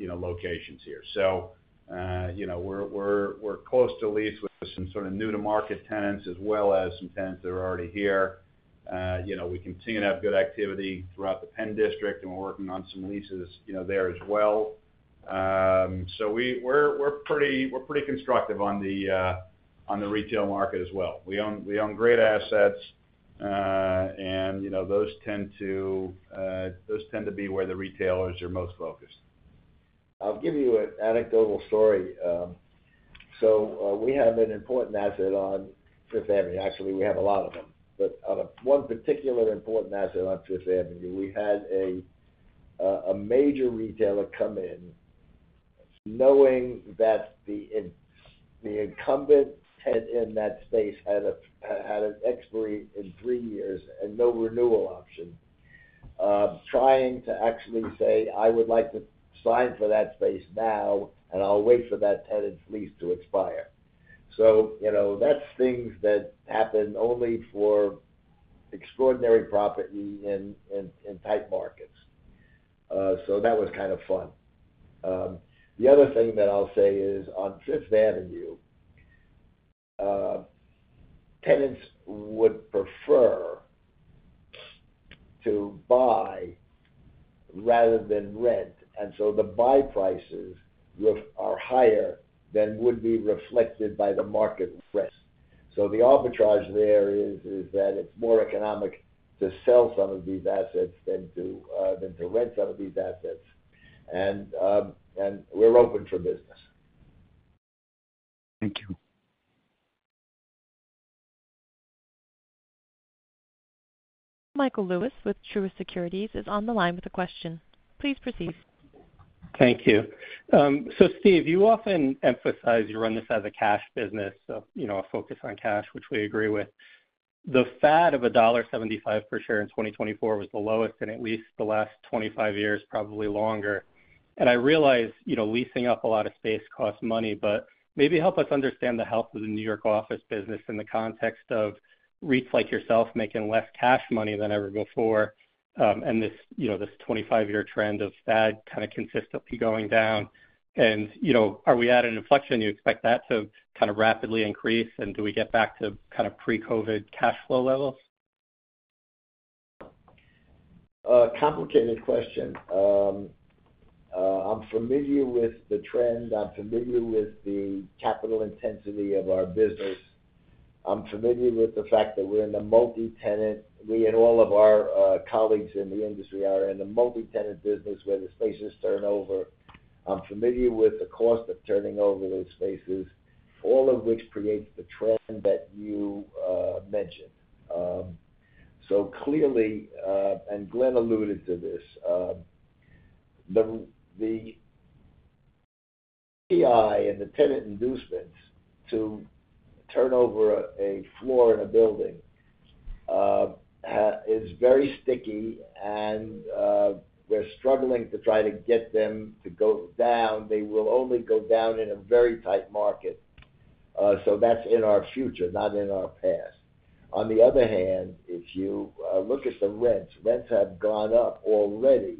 locations here. So we're close to leasing with some sort of new-to-market tenants as well as some tenants that are already here. We continue to have good activity throughout the PENN District, and we're working on some leases there as well. So we're pretty constructive on the retail market as well. We own great assets, and those tend to be where the retailers are most focused. I'll give you an anecdotal story, so we have an important asset on Fifth Avenue. Actually, we have a lot of them, but on one particular important asset on Fifth Avenue, we had a major retailer come in knowing that the incumbent tenant in that space had an expiration in three years and no renewal option, trying to actually say, "I would like to sign for that space now, and I'll wait for that tenant's lease to expire," so that's things that happen only for extraordinary property in tight markets, so that was kind of fun. The other thing that I'll say is on Fifth Avenue, tenants would prefer to buy rather than rent, and so the buy prices are higher than would be reflected by the market risk. So the arbitrage there is that it's more economic to sell some of these assets than to rent some of these assets. And we're open for business. Thank you. Michael Lewis with Truist Securities is on the line with a question. Please proceed. Thank you. So, Steve, you often emphasize you run this as a cash business, a focus on cash, which we agree with. The FAD of $1.75 per share in 2024 was the lowest in at least the last 25 years, probably longer. And I realize leasing up a lot of space costs money, but maybe help us understand the health of the New York office business in the context of REITs like yourself making less cash money than ever before, and this 25-year trend of FAD kind of consistently going down. And are we at an inflection? Do you expect that to kind of rapidly increase? And do we get back to kind of pre-COVID cash flow levels? Complicated question. I'm familiar with the trend. I'm familiar with the capital intensity of our business. I'm familiar with the fact that we're in the multi-tenant. Me and all of our colleagues in the industry are in the multi-tenant business where the spaces turn over. I'm familiar with the cost of turning over those spaces, all of which creates the trend that you mentioned. So clearly, and Glen alluded to this, the TI and the tenant inducements to turn over a floor in a building is very sticky, and we're struggling to try to get them to go down. They will only go down in a very tight market. So that's in our future, not in our past. On the other hand, if you look at the rents, rents have gone up already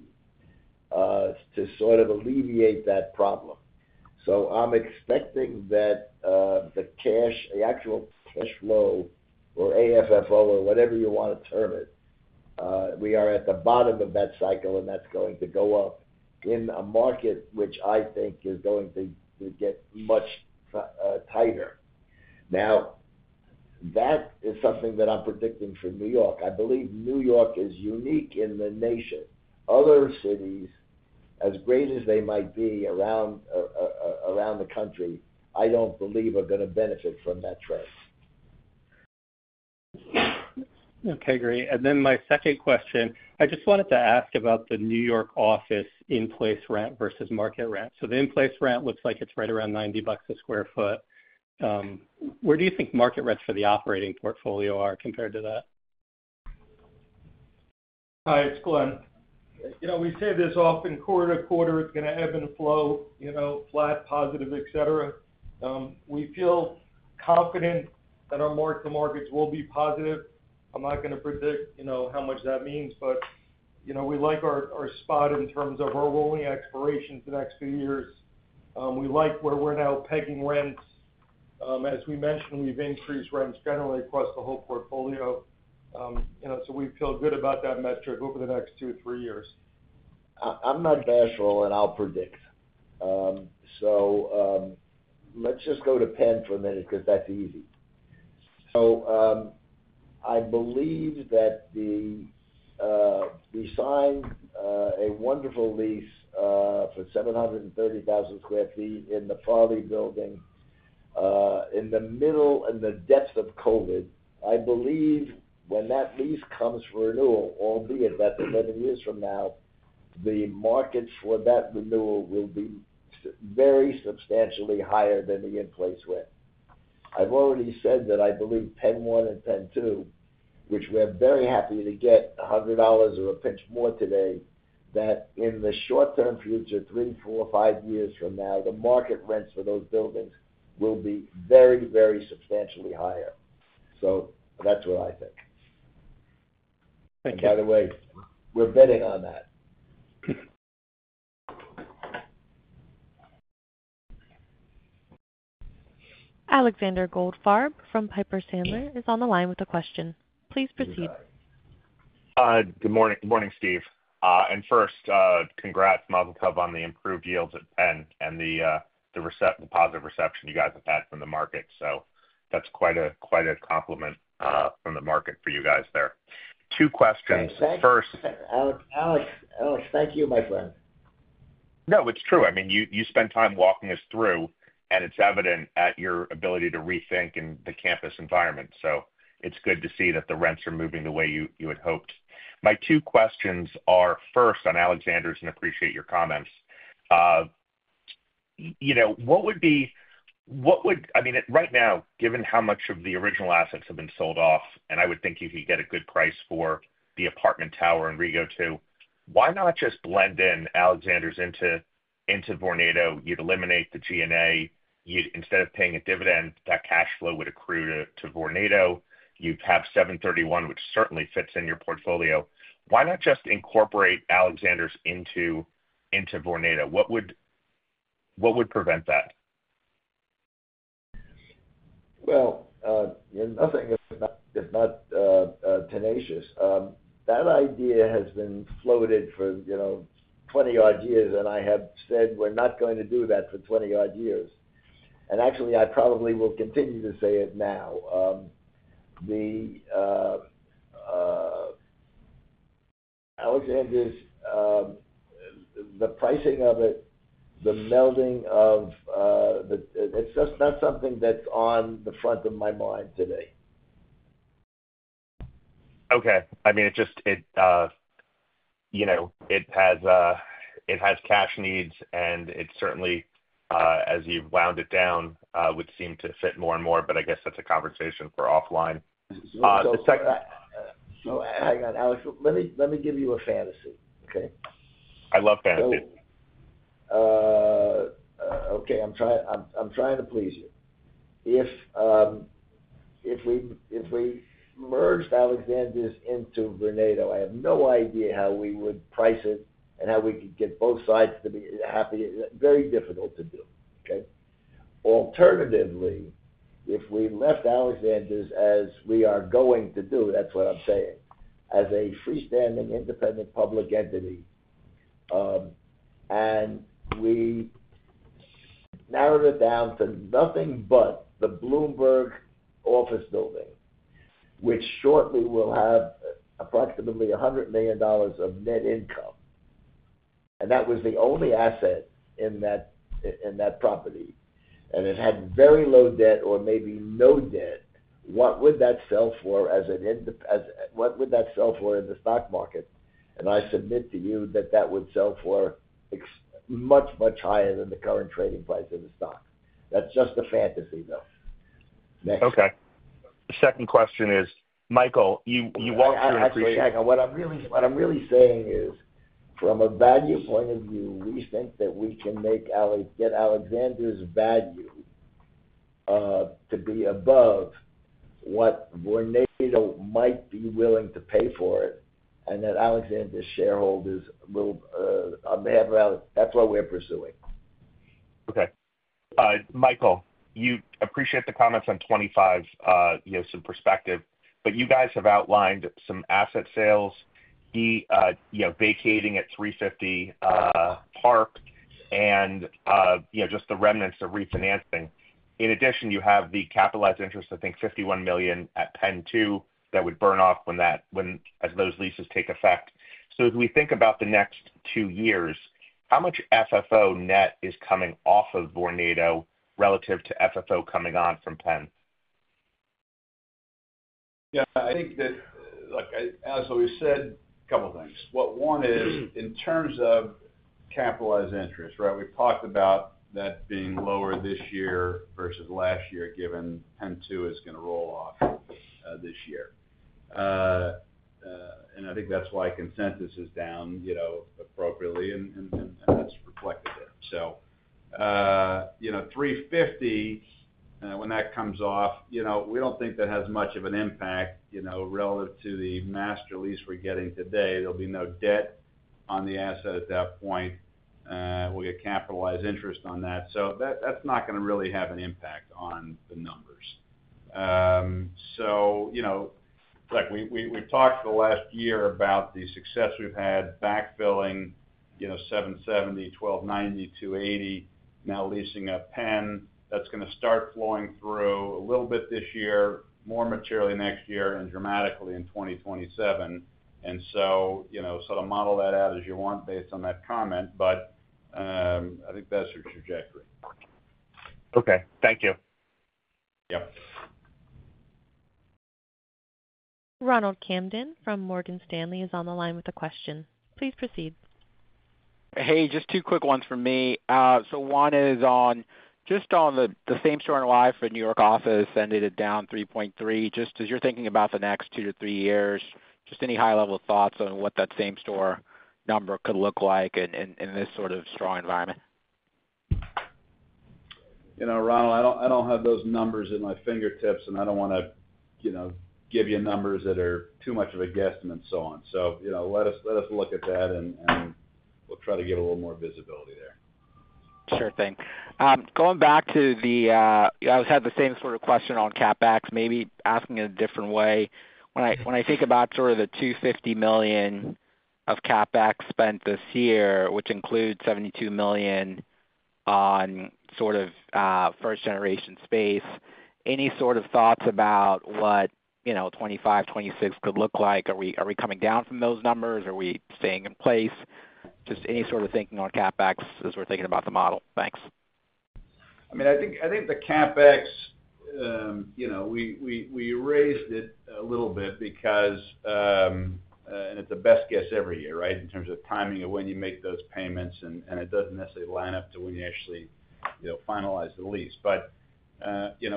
to sort of alleviate that problem. So I'm expecting that the cash, the actual cash flow or AFFO or whatever you want to term it, we are at the bottom of that cycle, and that's going to go up in a market which I think is going to get much tighter. Now, that is something that I'm predicting for New York. I believe New York is unique in the nation. Other cities, as great as they might be around the country, I don't believe are going to benefit from that trend. Okay. Great. And then my second question, I just wanted to ask about the New York office in-place rent versus market rent. So the in-place rent looks like it's right around $90 a sq ft. Where do you think market rents for the operating portfolio are compared to that? Hi, it's Glen. We say this often, quarter to quarter, it's going to ebb and flow, flat, positive, etc. We feel confident that our markets will be positive. I'm not going to predict how much that means, but we like our spot in terms of our rolling expirations the next few years. We like where we're now pegging rents. As we mentioned, we've increased rents generally across the whole portfolio. So we feel good about that metric over the next two to three years. I'm not bashful, and I'll predict. So let's just go to PENN for a minute because that's easy. So I believe that we signed a wonderful lease for 730,000 sq ft in the Farley Building in the middle and the depth of COVID. I believe when that lease comes for renewal, albeit that's 11 years from now, the market for that renewal will be very substantially higher than the in-place rent. I've already said that I believe PENN 1 and PENN 2, which we're very happy to get $100 or a pinch more today, that in the short-term future, three, four, five years from now, the market rents for those buildings will be very, very substantially higher. So that's what I think. Thank you. By the way, we're betting on that. Alexander Goldfarb from Piper Sandler is on the line with a question. Please proceed. Good morning, Steve. And first, congrats, Michael, on the improved yields at PENN and the positive reception you guys have had from the market. So that's quite a compliment from the market for you guys there. Two questions. Thank you. First. Alex, thank you, my friend. No, it's true. I mean, you spent time walking us through, and it's evident at your ability to rethink in the campus environment. So it's good to see that the rents are moving the way you had hoped. My two questions are first on Alexander's and appreciate your comments. What would be—I mean, right now, given how much of the original assets have been sold off, and I would think you could get a good price for the apartment tower in Rego Two, why not just blend in Alexander's into Vornado? You'd eliminate the G&A. Instead of paying a dividend, that cash flow would accrue to Vornado. You'd have 731, which certainly fits in your portfolio. Why not just incorporate Alexander's into Vornado? What would prevent that? Nothing if not tenacious. That idea has been floated for 20-odd years, and I have said we're not going to do that for 20-odd years. And actually, I probably will continue to say it now. Alexander's, the pricing of it, the melding of it, it's just not something that's on the front of my mind today. Okay. I mean, it has cash needs, and it certainly, as you've wound it down, would seem to fit more and more, but I guess that's a conversation for offline. No, hang on, Alex. Let me give you a fantasy, okay? I love fantasy. Okay. I'm trying to please you. If we merged Alexander's into Vornado, I have no idea how we would price it and how we could get both sides to be happy. Very difficult to do, okay? Alternatively, if we left Alexander's as we are going to do, that's what I'm saying, as a freestanding independent public entity, and we narrowed it down to nothing but the Bloomberg office building, which shortly will have approximately $100 million of net income, and that was the only asset in that property, and it had very low debt or maybe no debt. What would that sell for in the stock market? And I submit to you that that would sell for much, much higher than the current trading price of the stock. That's just a fantasy, though. Okay. Second question is, Michael, you walked through and created. Actually, hang on. What I'm really saying is, from a value point of view, we think that we can get Alexander's value to be above what Vornado might be willing to pay for it, and that Alexander's shareholders will, on behalf of Alex, that's what we're pursuing. Okay. Michael, you appreciate the comments on 25, some perspective, but you guys have outlined some asset sales, vacating at 350 Park, and just the remnants of refinancing. In addition, you have the capitalized interest, I think, $51 million at PENN 2 that would burn off as those leases take effect. So as we think about the next two years, how much FFO net is coming off of Vornado relative to FFO coming on from PENN? Yeah. I think that, look, as we've said, a couple of things. One is, in terms of capitalized interest, right? We've talked about that being lower this year versus last year given PENN 2 is going to roll off this year. And I think that's why consensus is down appropriately, and that's reflected there. So 350, when that comes off, we don't think that has much of an impact relative to the master lease we're getting today. There'll be no debt on the asset at that point. We'll get capitalized interest on that. So that's not going to really have an impact on the numbers. So look, we've talked the last year about the success we've had, backfilling 770, 1290, 280, now leasing up PENN. That's going to start flowing through a little bit this year, more materially next year, and dramatically in 2027. And so sort of model that out as you want based on that comment, but I think that's your trajectory. Okay. Thank you. Yep. Ronald Kamdem from Morgan Stanley is on the line with a question. Please proceed. Hey, just two quick ones for me. So one is just on the same-store NOI for New York office, ended down 3.3%. Just as you're thinking about the next two to three years, just any high-level thoughts on what that same-store number could look like in this sort of strong environment? Ronald, I don't have those numbers at my fingertips, and I don't want to give you numbers that are too much of a guesstimate and so on. So let us look at that, and we'll try to get a little more visibility there. Sure thing. Going back to the, I was having the same sort of question on CapEx, maybe asking it a different way. When I think about sort of the $250 million of CapEx spent this year, which includes $72 million on sort of first-generation space, any sort of thoughts about what 2025, 2026 could look like? Are we coming down from those numbers? Are we staying in place? Just any sort of thinking on CapEx as we're thinking about the model. Thanks. I mean, I think the CapEx, we raised it a little bit because, and it's a best guess every year, right, in terms of timing of when you make those payments, and it doesn't necessarily line up to when you actually finalize the lease. But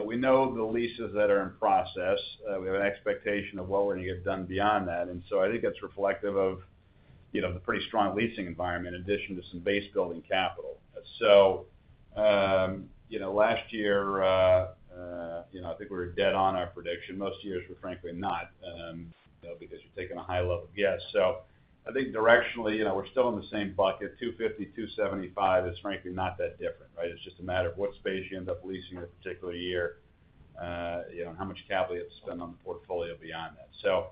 we know the leases that are in process. We have an expectation of what we're going to get done beyond that. And so I think that's reflective of the pretty strong leasing environment, in addition to some base building capital. So last year, I think we were dead on our prediction. Most years, we're frankly not because you're taking a high-level guess. So I think directionally, we're still in the same bucket. 250–275 is frankly not that different, right? It's just a matter of what space you end up leasing in a particular year and how much capital you have to spend on the portfolio beyond that. So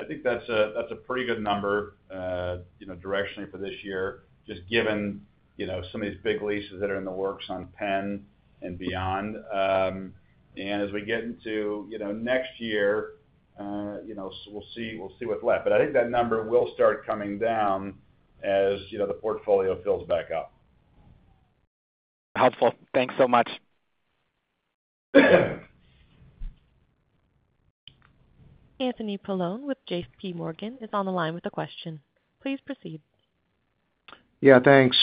I think that's a pretty good number directionally for this year, just given some of these big leases that are in the works on PENN and beyond. And as we get into next year, we'll see what's left. But I think that number will start coming down as the portfolio fills back up. Helpful. Thanks so much. Anthony Paolone with J.P. Morgan is on the line with a question. Please proceed. Yeah, thanks.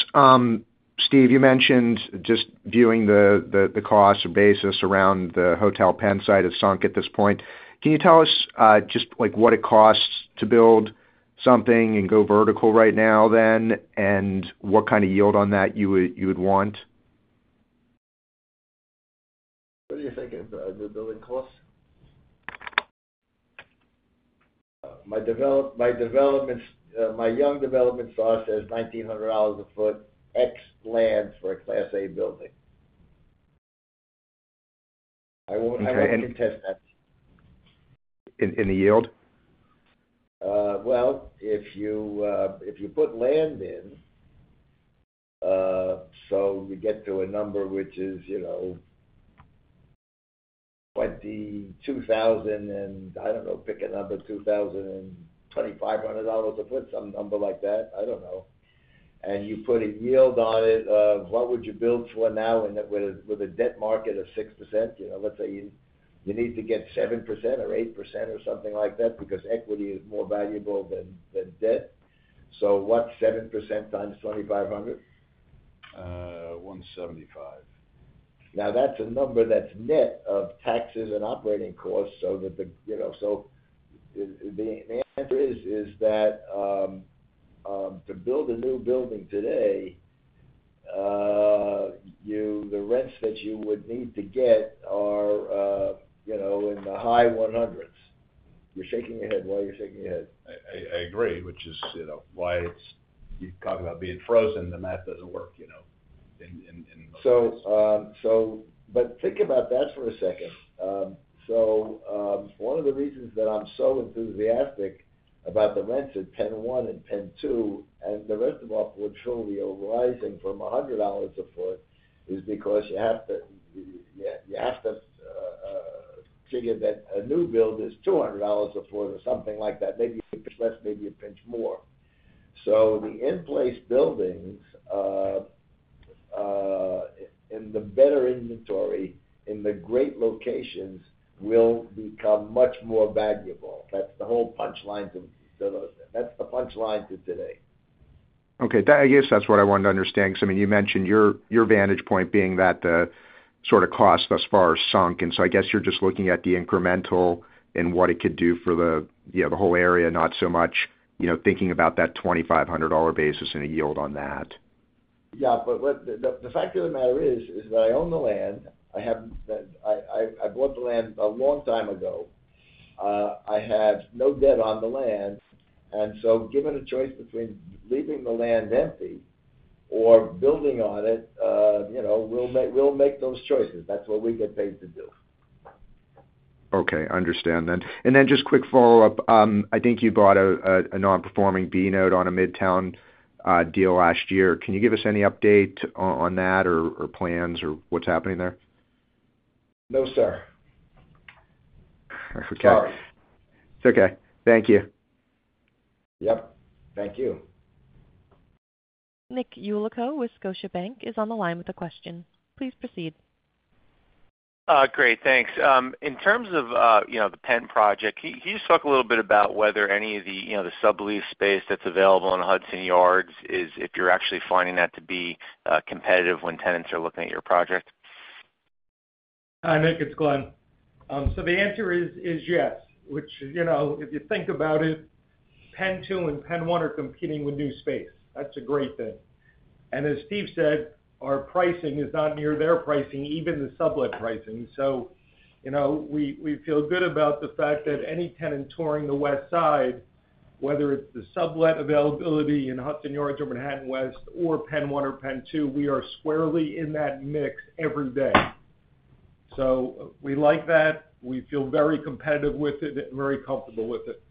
Steve, you mentioned just viewing the cost or basis around the Hotel Pennsylvania site has sunk at this point. Can you tell us just what it costs to build something and go vertical right now then, and what kind of yield on that you would want? What do you think is the building cost? My young development guy says $1,900 per sq ft plus land for a Class A building. I won't contest that. In the yield? If you put land in, so you get to a number which is $22,000 and I don't know, pick a number, $2,000–$2,500 a foot, some number like that. I don't know. And you put a yield on it of what would you build for now with a debt market of 6%? Let's say you need to get 7% or 8% or something like that because equity is more valuable than debt. So what's 7% times 2,500? 175. Now, that's a number that's net of taxes and operating costs so the answer is that to build a new building today, the rents that you would need to get are in the high 100s. You're shaking your head. Why are you shaking your head? I agree, which is why you talk about being frozen. The math doesn't work in the. But think about that for a second. So one of the reasons that I'm so enthusiastic about the rents at PENN 1 and PENN 2 and the rest of the office world overriding from $100 a foot is because you have to figure that a new build is $200 a foot or something like that, maybe a pinch less, maybe a pinch more. So the in-place buildings and the better inventory in the great locations will become much more valuable. That's the whole punchline to those things. That's the punchline to today. Okay. I guess that's what I wanted to understand because, I mean, you mentioned your vantage point being that the sort of cost thus far has sunk. And so I guess you're just looking at the incremental and what it could do for the whole area, not so much thinking about that $2,500 basis and a yield on that. Yeah. But the fact of the matter is that I own the land. I bought the land a long time ago. I have no debt on the land. And so given a choice between leaving the land empty or building on it, we'll make those choices. That's what we get paid to do. Okay. Understand that. And then just quick follow-up. I think you bought a non-performing B note on a Midtown deal last year. Can you give us any update on that or plans or what's happening there? No, sir. Sorry. It's okay. Thank you. Yep. Thank you. Nick Yulico with Scotiabank is on the line with a question. Please proceed. Great. Thanks. In terms of the PENN project, can you just talk a little bit about whether any of the sublease space that's available on Hudson Yards is, if you're actually finding that to be competitive when tenants are looking at your project? Hi, Nick. It's Glen. So the answer is yes, which if you think about it, PENN 2 and PENN 1 are competing with new space. That's a great thing. And as Steve said, our pricing is not near their pricing, even the sublet pricing. So we feel good about the fact that any tenant touring the West Side, whether it's the sublet availability in Hudson Yards or Manhattan West or PENN 1 or PENN 2, we are squarely in that mix every day. So we like that. We feel very competitive with it and very comfortable with it.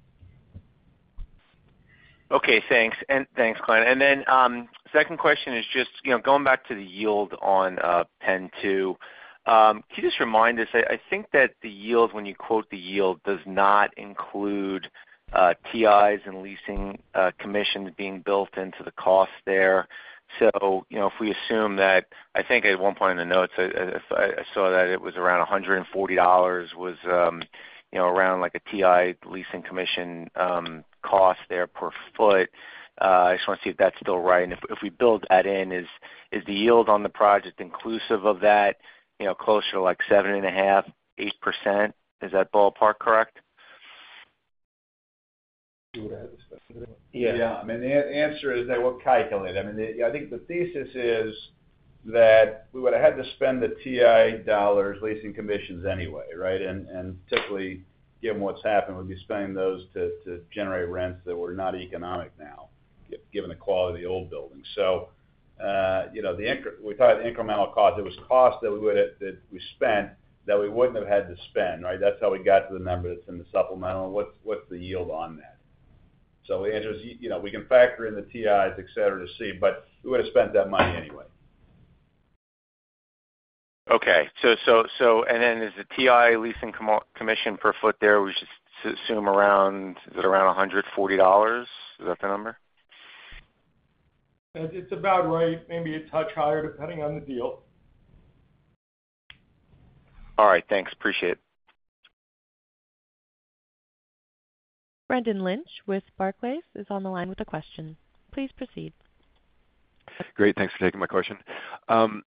Okay. Thanks. And thanks, Glen. And then second question is just going back to the yield on PENN 2. Can you just remind us? I think that the yield, when you quote the yield, does not include TIs and leasing commissions being built into the cost there. So if we assume that, I think at one point in the notes, I saw that it was around $140, was around a TI leasing commission cost there per foot. I just want to see if that's still right. And if we build that in, is the yield on the project inclusive of that closer to like 7.5%–8%? Is that ballpark correct? Yeah. I mean, the answer is they will calculate. I mean, I think the thesis is that we would have had to spend the TI dollars leasing commissions anyway, right? And typically, given what's happened, we'd be spending those to generate rents that were not economic now, given the quality of the old building. So we talked about the incremental cost. It was cost that we spent that we wouldn't have had to spend, right? That's how we got to the number that's in the supplemental. What's the yield on that? So the answer is we can factor in the TIs, etc., to see, but we would have spent that money anyway. Okay. And then is the TI leasing commission per foot there, we should assume around, is it around $140? Is that the number? It's about right, maybe a touch higher depending on the deal. All right. Thanks. Appreciate it. Brendan Lynch with Barclays is on the line with a question. Please proceed. Great. Thanks for taking my question.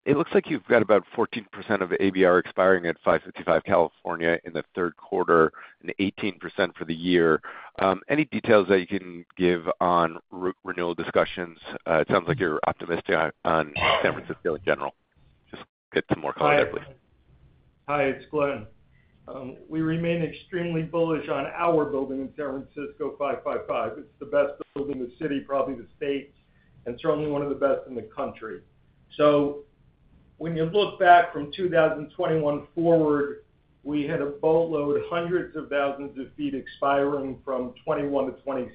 It looks like you've got about 14% of ABR expiring at 555 California in the Q3 and 18% for the year. Any details that you can give on renewal discussions? It sounds like you're optimistic on San Francisco in general. Just get some more clarity, please. Hi. Hi. It's Glen. We remain extremely bullish on our building in San Francisco 555. It's the best building in the city, probably the state, and certainly one of the best in the country. So when you look back from 2021 forward, we had a boatload, hundreds of thousands of feet expiring from 2021–2026.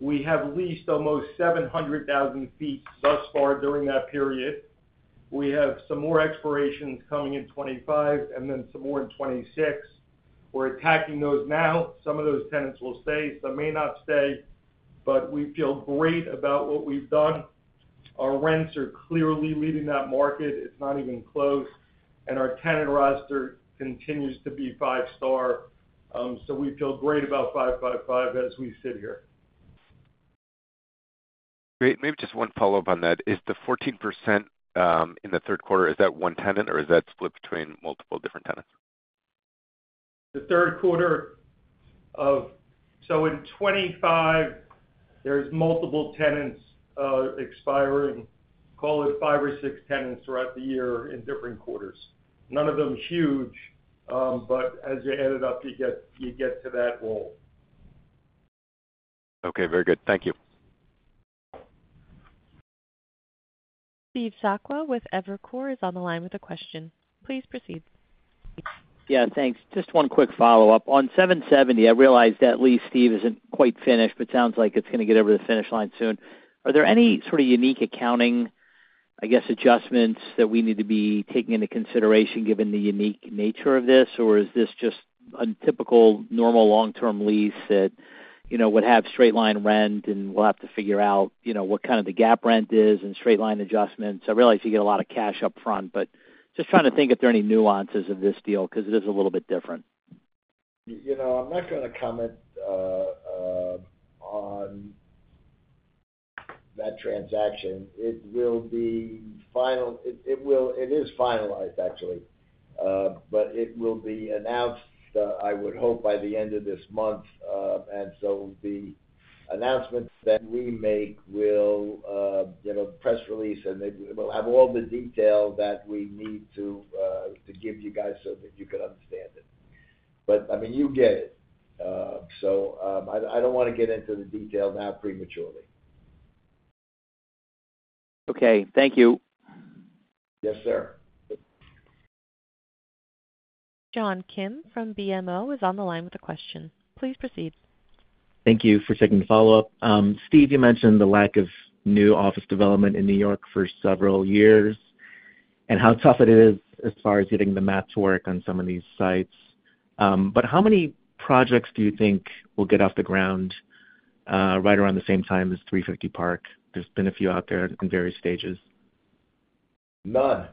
We have leased almost 700,000 feet thus far during that period. We have some more expirations coming in 2025 and then some more in 2026. We're attacking those now. Some of those tenants will stay. Some may not stay, but we feel great about what we've done. Our rents are clearly leading that market. It's not even close. And our tenant roster continues to be five-star. So we feel great about 555 as we sit here. Great. Maybe just one follow-up on that. Is the 14% in the Q3, is that one tenant or is that split between multiple different tenants? The Q3 or so in 2025, there's multiple tenants expiring, call it five or six tenants throughout the year in different quarters. None of them huge, but as you add it up, you get to that roll. Okay. Very good. Thank you. Steve Sakwa with Evercore is on the line with a question. Please proceed. Yeah. Thanks. Just one quick follow-up. On 770, I realized that lease, Steve, isn't quite finished, but sounds like it's going to get over the finish line soon. Are there any sort of unique accounting, I guess, adjustments that we need to be taking into consideration given the unique nature of this? Or is this just a typical normal long-term lease that would have straight-line rent and we'll have to figure out what kind of the GAAP rent is and straight-line adjustments? I realize you get a lot of cash upfront, but just trying to think if there are any nuances of this deal because it is a little bit different. I'm not going to comment on that transaction. It will be final. It is finalized, actually, but it will be announced, I would hope, by the end of this month, and so the announcements that we make will press release, and we'll have all the detail that we need to give you guys so that you can understand it, but I mean, you get it, so I don't want to get into the detail now prematurely. Okay. Thank you. Yes, sir. John Kim from BMO is on the line with a question. Please proceed. Thank you for taking the follow-up. Steve, you mentioned the lack of new office development in New York for several years and how tough it is as far as getting the math to work on some of these sites. But how many projects do you think will get off the ground right around the same time as 350 Park? There's been a few out there in various stages. None.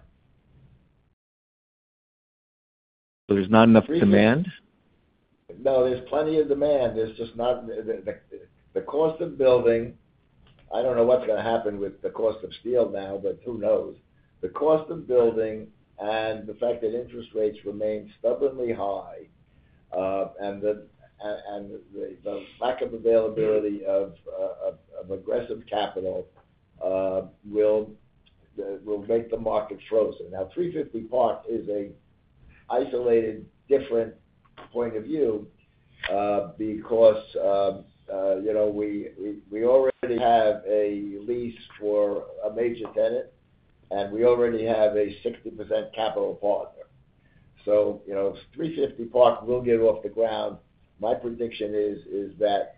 So there's not enough demand? No, there's plenty of demand. It's just not the cost of building. I don't know what's going to happen with the cost of steel now, but who knows? The cost of building and the fact that interest rates remain stubbornly high and the lack of availability of aggressive capital will make the market frozen. Now, 350 Park is an isolated, different point of view because we already have a lease for a major tenant, and we already have a 60% capital partner. So 350 Park will get off the ground. My prediction is that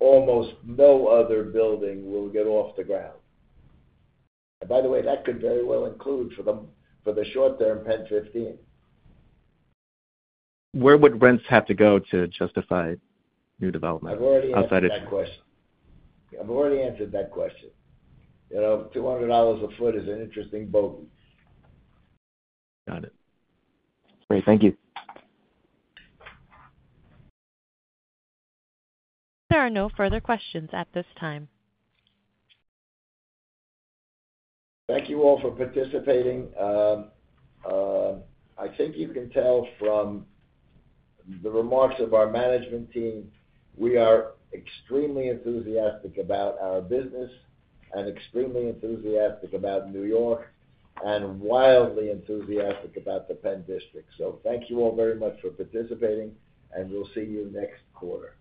almost no other building will get off the ground, and by the way, that could very well include for the short-term PENN 15. Where would rents have to go to justify new development outside of? I've already answered that question. $200 a foot is an interesting point. Got it. All right. Thank you. There are no further questions at this time. Thank you all for participating. I think you can tell from the remarks of our management team. We are extremely enthusiastic about our business and extremely enthusiastic about New York and wildly enthusiastic about the PENN District. So thank you all very much for participating, and we'll see you next quarter.